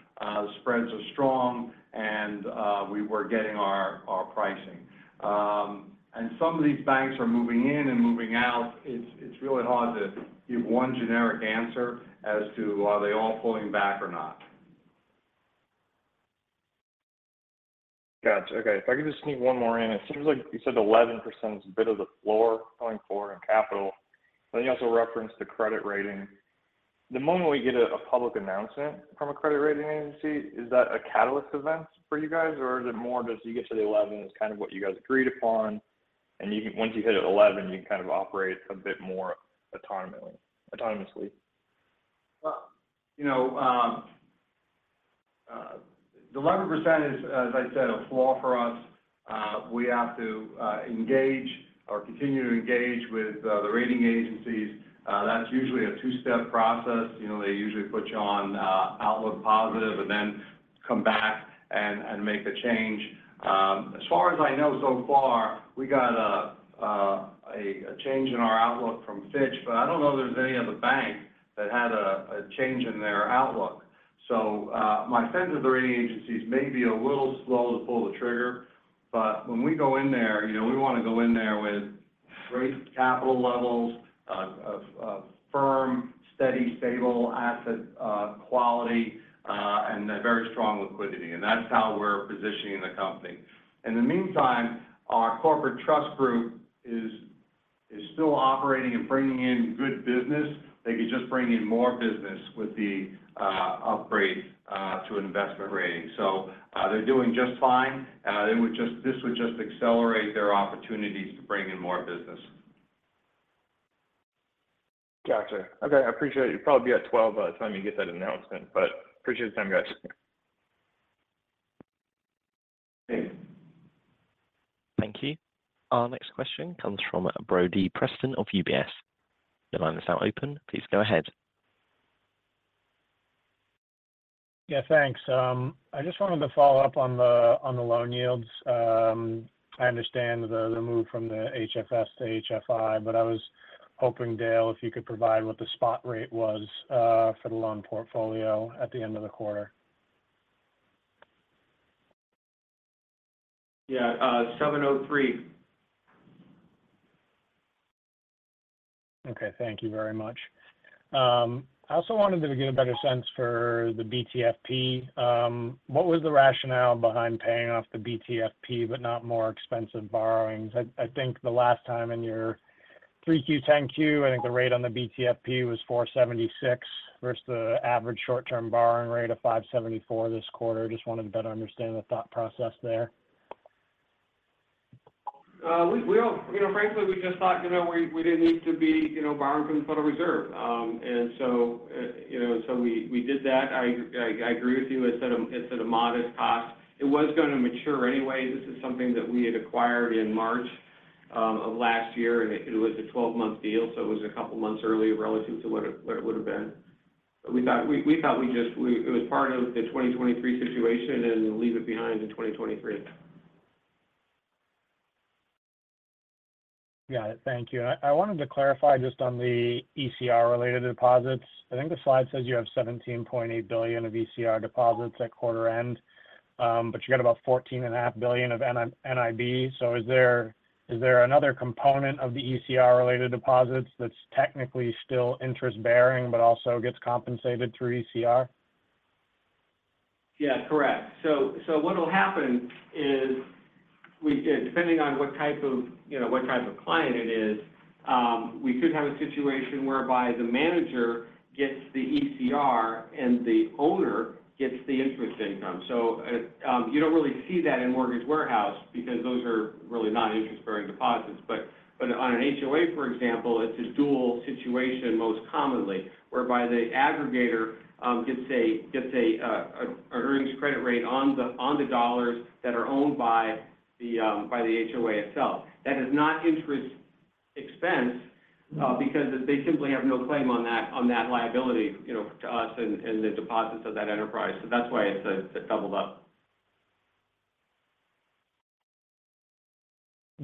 spreads are strong, and we were getting our our pricing. And some of these banks are moving in and moving out. It's really hard to give one generic answer as to, are they all pulling back or not? Gotcha. Okay. If I could just sneak one more in. It seems like you said 11% is a bit of the floor going forward in capital, but you also referenced the credit rating. The moment we get a public announcement from a credit rating agency, is that a catalyst event for you guys? Or is it more just you get to the 11% is kind of what you guys agreed upon, and you—once you hit at 11%, you can kind of operate a bit more autonomously, autonomously? Well, you know, the 11% is, as I said, a floor for us. We have to engage or continue to engage with the rating agencies. That's usually a two-step process. You know, they usually put you on outlook positive and then come back and make a change. As far as I know, so far, we got a change in our outlook from Fitch, but I don't know there's any other bank that had a change in their outlook. So, my sense of the rating agencies may be a little slow to pull the trigger, but when we go in there, you know, we want to go in there with great capital levels, a firm, steady, stable asset quality, and a very strong liquidity. And that's how we're positioning the company. In the meantime, our Corporate Trust group is still operating and bringing in good business. They could just bring in more business with the upgrade to investment rating. So, they're doing just fine. This would just accelerate their opportunities to bring in more business. Gotcha. Okay, I appreciate it. You'll probably be at 12 by the time you get that announcement, but appreciate the time, guys. Okay. Thank you. Our next question comes from Brodie Preston of UBS. Your line is now open. Please go ahead. Yeah, thanks. I just wanted to follow up on the loan yields. I understand the move from the HFS to HFI, but I was hoping, Dale, if you could provide what the spot rate was for the loan portfolio at the end of the quarter. Yeah, 703. Okay. Thank you very much. I also wanted to get a better sense for the BTFP. What was the rationale behind paying off the BTFP but not more expensive borrowings? I, I think the last time in your 3Q 10-Q, I think the rate on the BTFP was 4.76 versus the average short-term borrowing rate of 5.74 this quarter. Just wanted to better understand the thought process there. We all, you know, frankly, we just thought, you know, we didn't need to be, you know, borrowing from the Federal Reserve. And so, you know, so we did that. I agree with you. It's at a modest cost. It was gonna mature anyway. This is something that we had acquired in March of last year, and it was a 12-month deal, so it was a couple of months early relative to what it would have been. We thought we just, it was part of the 2023 situation and leave it behind in 2023. ... Got it. Thank you. I, I wanted to clarify just on the ECR-related deposits. I think the slide says you have $17.8 billion of ECR deposits at quarter end, but you got about $14.5 billion of NII. So is there, is there another component of the ECR-related deposits that's technically still interest-bearing but also gets compensated through ECR? Yeah, correct. So what will happen is we, depending on what type of, you know, what type of client it is, we could have a situation whereby the manager gets the ECR and the owner gets the interest income. So you don't really see that in mortgage warehouse because those are really not interest-bearing deposits. But on an HOA, for example, it's a dual situation, most commonly, whereby the aggregator gets an earnings credit rate on the dollars that are owned by the HOA itself. That is not interest expense because they simply have no claim on that liability, you know, to us and the deposits of that enterprise. So that's why it's doubled up.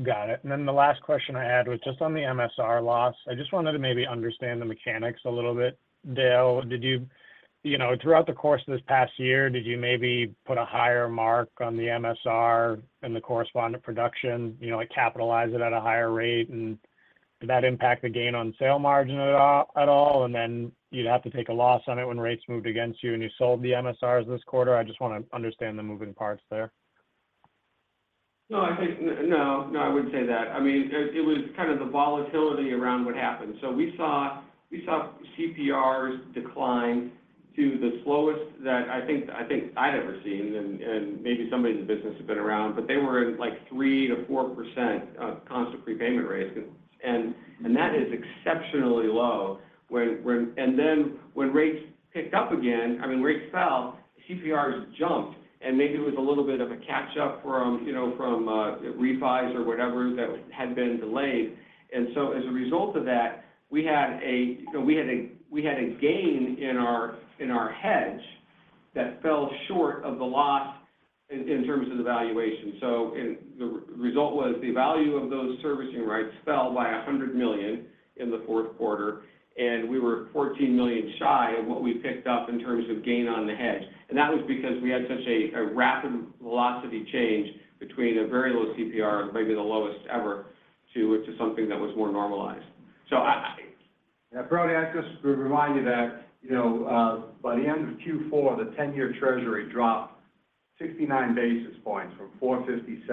Got it. And then the last question I had was just on the MSR loss. I just wanted to maybe understand the mechanics a little bit. Dale, did you... You know, throughout the course of this past year, did you maybe put a higher mark on the MSR and the correspondent production? You know, like, capitalize it at a higher rate, and did that impact the gain on sale margin at all, at all? And then you'd have to take a loss on it when rates moved against you, and you sold the MSRs this quarter. I just want to understand the moving parts there. No, I think—no, no, I wouldn't say that. I mean, it was kind of the volatility around what happened. So we saw CPRs decline to the slowest that I think I'd ever seen, and maybe somebody in the business had been around, but they were, like, 3%-4% constant prepayment rates. And that is exceptionally low. And then when rates picked up again, I mean, rates fell, CPRs jumped, and maybe it was a little bit of a catch up from, you know, from refis or whatever that had been delayed. And so as a result of that, so we had a gain in our hedge that fell short of the loss in terms of the valuation. So the result was the value of those servicing rights fell by $100 million in the fourth quarter, and we were $14 million shy of what we picked up in terms of gain on the hedge. And that was because we had such a rapid velocity change between a very low CPR, maybe the lowest ever, to something that was more normalized. So I- Yeah, Brodie, I just to remind you that, you know, by the end of Q4, the 10-year Treasury dropped 69 basis points from 4.57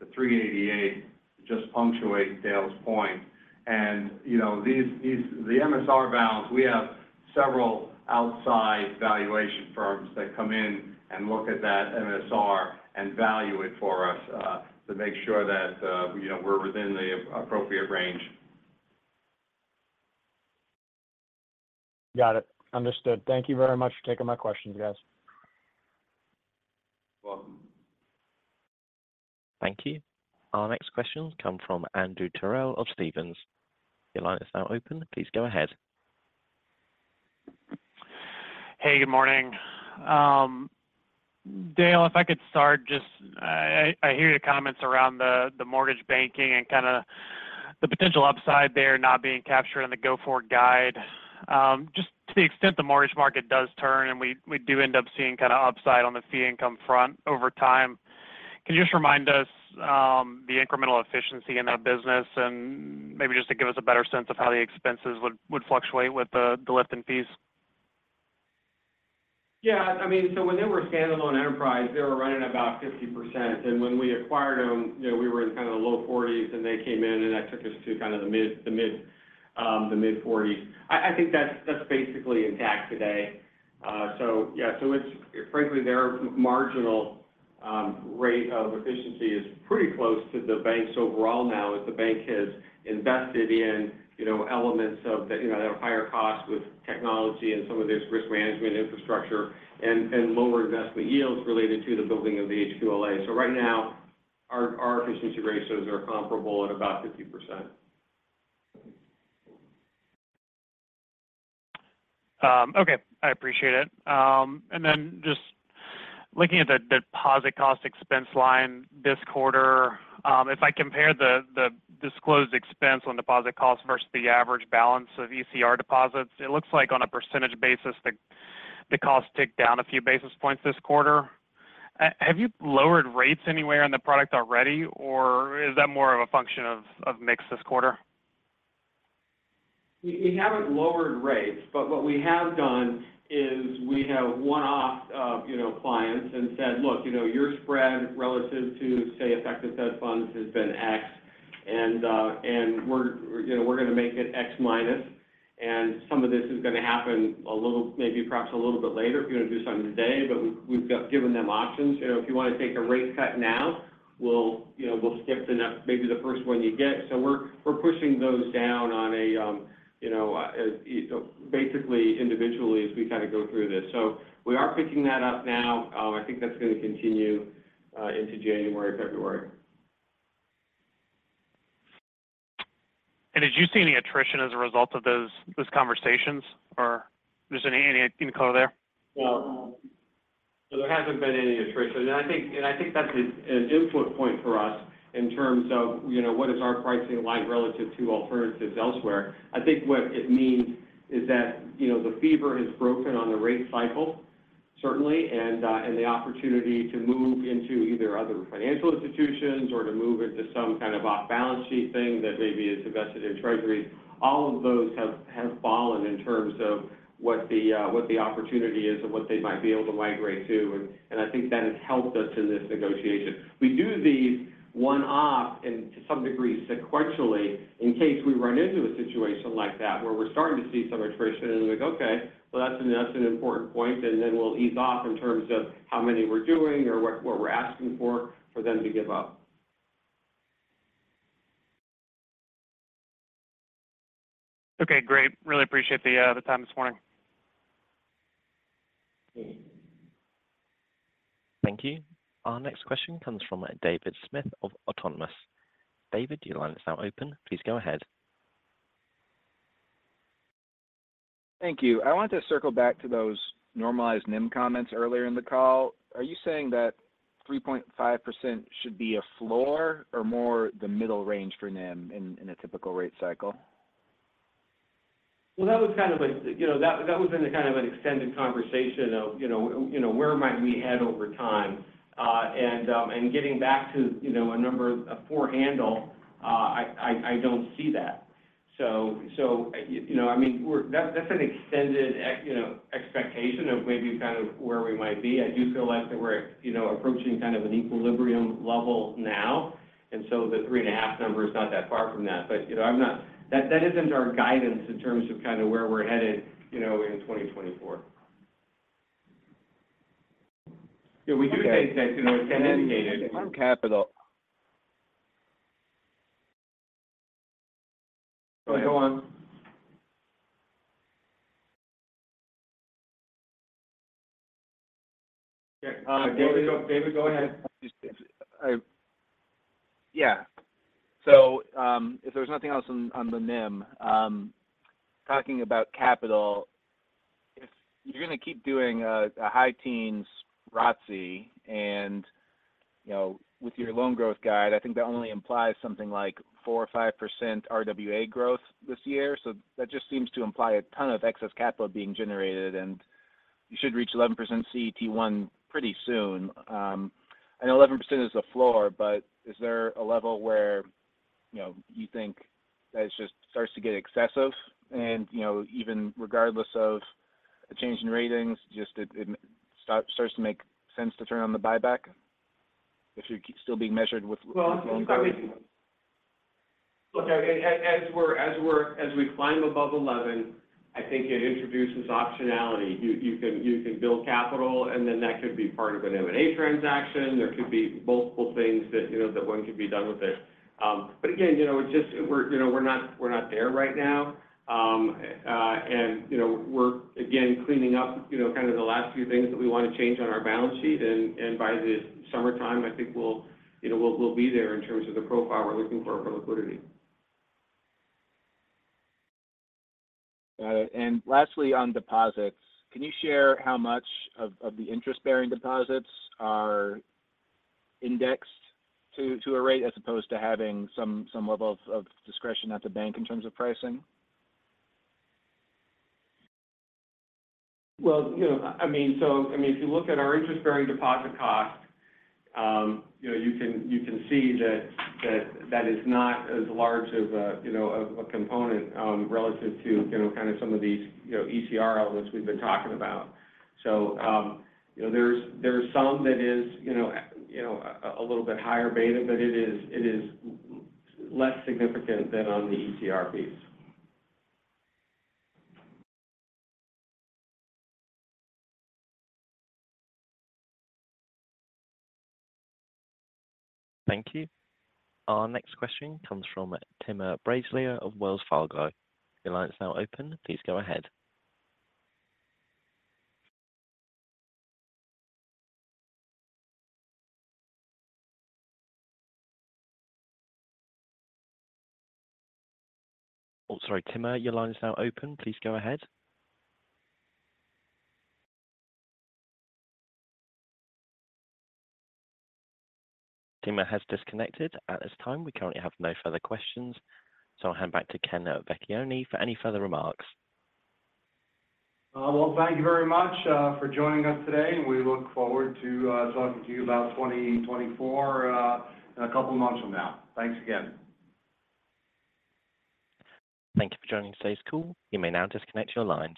to 3.88. Just punctuate Dale's point, and, you know, these, the MSR balance, we have several outside valuation firms that come in and look at that MSR and value it for us, to make sure that, you know, we're within the appropriate range. Got it. Understood. Thank you very much for taking my questions, guys. Welcome. Thank you. Our next question comes from Andrew Terrell of Stephens. Your line is now open. Please go ahead. Hey, good morning. Dale, if I could start, just, I hear your comments around the mortgage banking and kind of the potential upside there not being captured in the go-forward guide. Just to the extent the mortgage market does turn, and we do end up seeing kind of upside on the fee income front over time. Can you just remind us the incremental efficiency in that business and maybe just to give us a better sense of how the expenses would fluctuate with the lift in fees? Yeah, I mean, so when they were a standalone enterprise, they were running about 50%. And when we acquired them, you know, we were in kind of the low 40s, and they came in, and that took us to kind of the mid-40s. I think that's basically intact today. So yeah, so it's frankly, their marginal rate of efficiency is pretty close to the bank's overall now, as the bank has invested in, you know, elements of the, you know, at a higher cost with technology and some of this risk management infrastructure and lower investment yields related to the building of the HQLA. So right now, our efficiency ratios are comparable at about 50%. Okay. I appreciate it. And then just looking at the deposit cost expense line this quarter, if I compare the disclosed expense on deposit costs versus the average balance of ECR deposits, it looks like on a percentage basis, the costs ticked down a few basis points this quarter. Have you lowered rates anywhere on the product already, or is that more of a function of mix this quarter? We haven't lowered rates, but what we have done is we have one-offed, you know, clients and said, "Look, you know, your spread relative to, say, effective Fed Funds has been X, and we're, you know, we're going to make it X minus," and some of this is going to happen a little, maybe perhaps a little bit later. We're going to do something today, but we've given them options. You know, if you want to take a rate cut now, we'll, you know, we'll skip the next, maybe the first one you get. So we're pushing those down on a, you know, so basically individually as we kind of go through this. So we are picking that up now. I think that's going to continue into January, February.... Did you see any attrition as a result of those conversations, or there's any color there? Well, so there hasn't been any attrition. And I think, and I think that's an input point for us in terms of, you know, what is our pricing like relative to alternatives elsewhere. I think what it means is that, you know, the fever has broken on the rate cycle, certainly, and the opportunity to move into either other financial institutions or to move into some kind of off-balance sheet thing that maybe is invested in Treasury, all of those have fallen in terms of what the opportunity is and what they might be able to migrate to. And I think that has helped us in this negotiation. We do these one-off and to some degree, sequentially, in case we run into a situation like that, where we're starting to see some attrition and like, okay, well, that's an, that's an important point, and then we'll ease off in terms of how many we're doing or what, what we're asking for, for them to give up. Okay, great. Really appreciate the time this morning. Okay. Thank you. Our next question comes from David Smith of Autonomous. David, your line is now open. Please go ahead. Thank you. I want to circle back to those normalized NIM comments earlier in the call. Are you saying that 3.5% should be a floor or more the middle range for NIM in a typical rate cycle? Well, that was kind of a, you know, that was in a kind of an extended conversation of, you know, where might we head over time? And getting back to, you know, a number, a 4 handle, I don't see that. So, you know, I mean, we're-- that's an extended expectation of maybe kind of where we might be. I do feel like that we're, you know, approaching kind of an equilibrium level now, and so the 3.5 number is not that far from that. But, you know, I'm not-- that isn't our guidance in terms of kind of where we're headed, you know, in 2024. Yeah, we do think that, you know, it's indicated. On capital. Go on. Okay, David, go, David, go ahead. Yeah. If there was nothing else on the NIM, talking about capital, if you're going to keep doing a high-teens ROTCE and, you know, with your loan growth guide, I think that only implies something like 4% or 5% RWA growth this year. So that just seems to imply a ton of excess capital being generated, and you should reach 11% CET1 pretty soon. I know 11% is the floor, but is there a level where, you know, you think that it just starts to get excessive and, you know, even regardless of a change in ratings, just it starts to make sense to turn on the buyback, if you're still being measured with- Well, look, as we climb above 11, I think it introduces optionality. You can build capital, and then that could be part of an M&A transaction. There could be multiple things that, you know, that one could be done with it. But again, you know, it's just we're not there right now. And, you know, we're again cleaning up, you know, kind of the last few things that we want to change on our balance sheet. And by the summertime, I think we'll, you know, we'll be there in terms of the profile we're looking for, for liquidity. And lastly, on deposits, can you share how much of the interest-bearing deposits are indexed to a rate as opposed to having some level of discretion at the bank in terms of pricing? Well, you know, I mean, so, I mean, if you look at our interest-bearing deposit cost, you know, you can see that that is not as large of a, you know, of a component relative to, you know, kind of some of these, you know, ECR elements we've been talking about. So, you know, there's some that is, you know, a little bit higher beta, but it is less significant than on the ECR piece. Thank you. Our next question comes from Timur Braziler of Wells Fargo. Your line is now open. Please go ahead. Oh, sorry, Timur, your line is now open. Please go ahead. Timur has disconnected. At this time, we currently have no further questions, so I'll hand back to Ken Vecchione for any further remarks. Well, thank you very much for joining us today, and we look forward to talking to you about 2024 in a couple of months from now. Thanks again. Thank you for joining today's call. You may now disconnect your lines.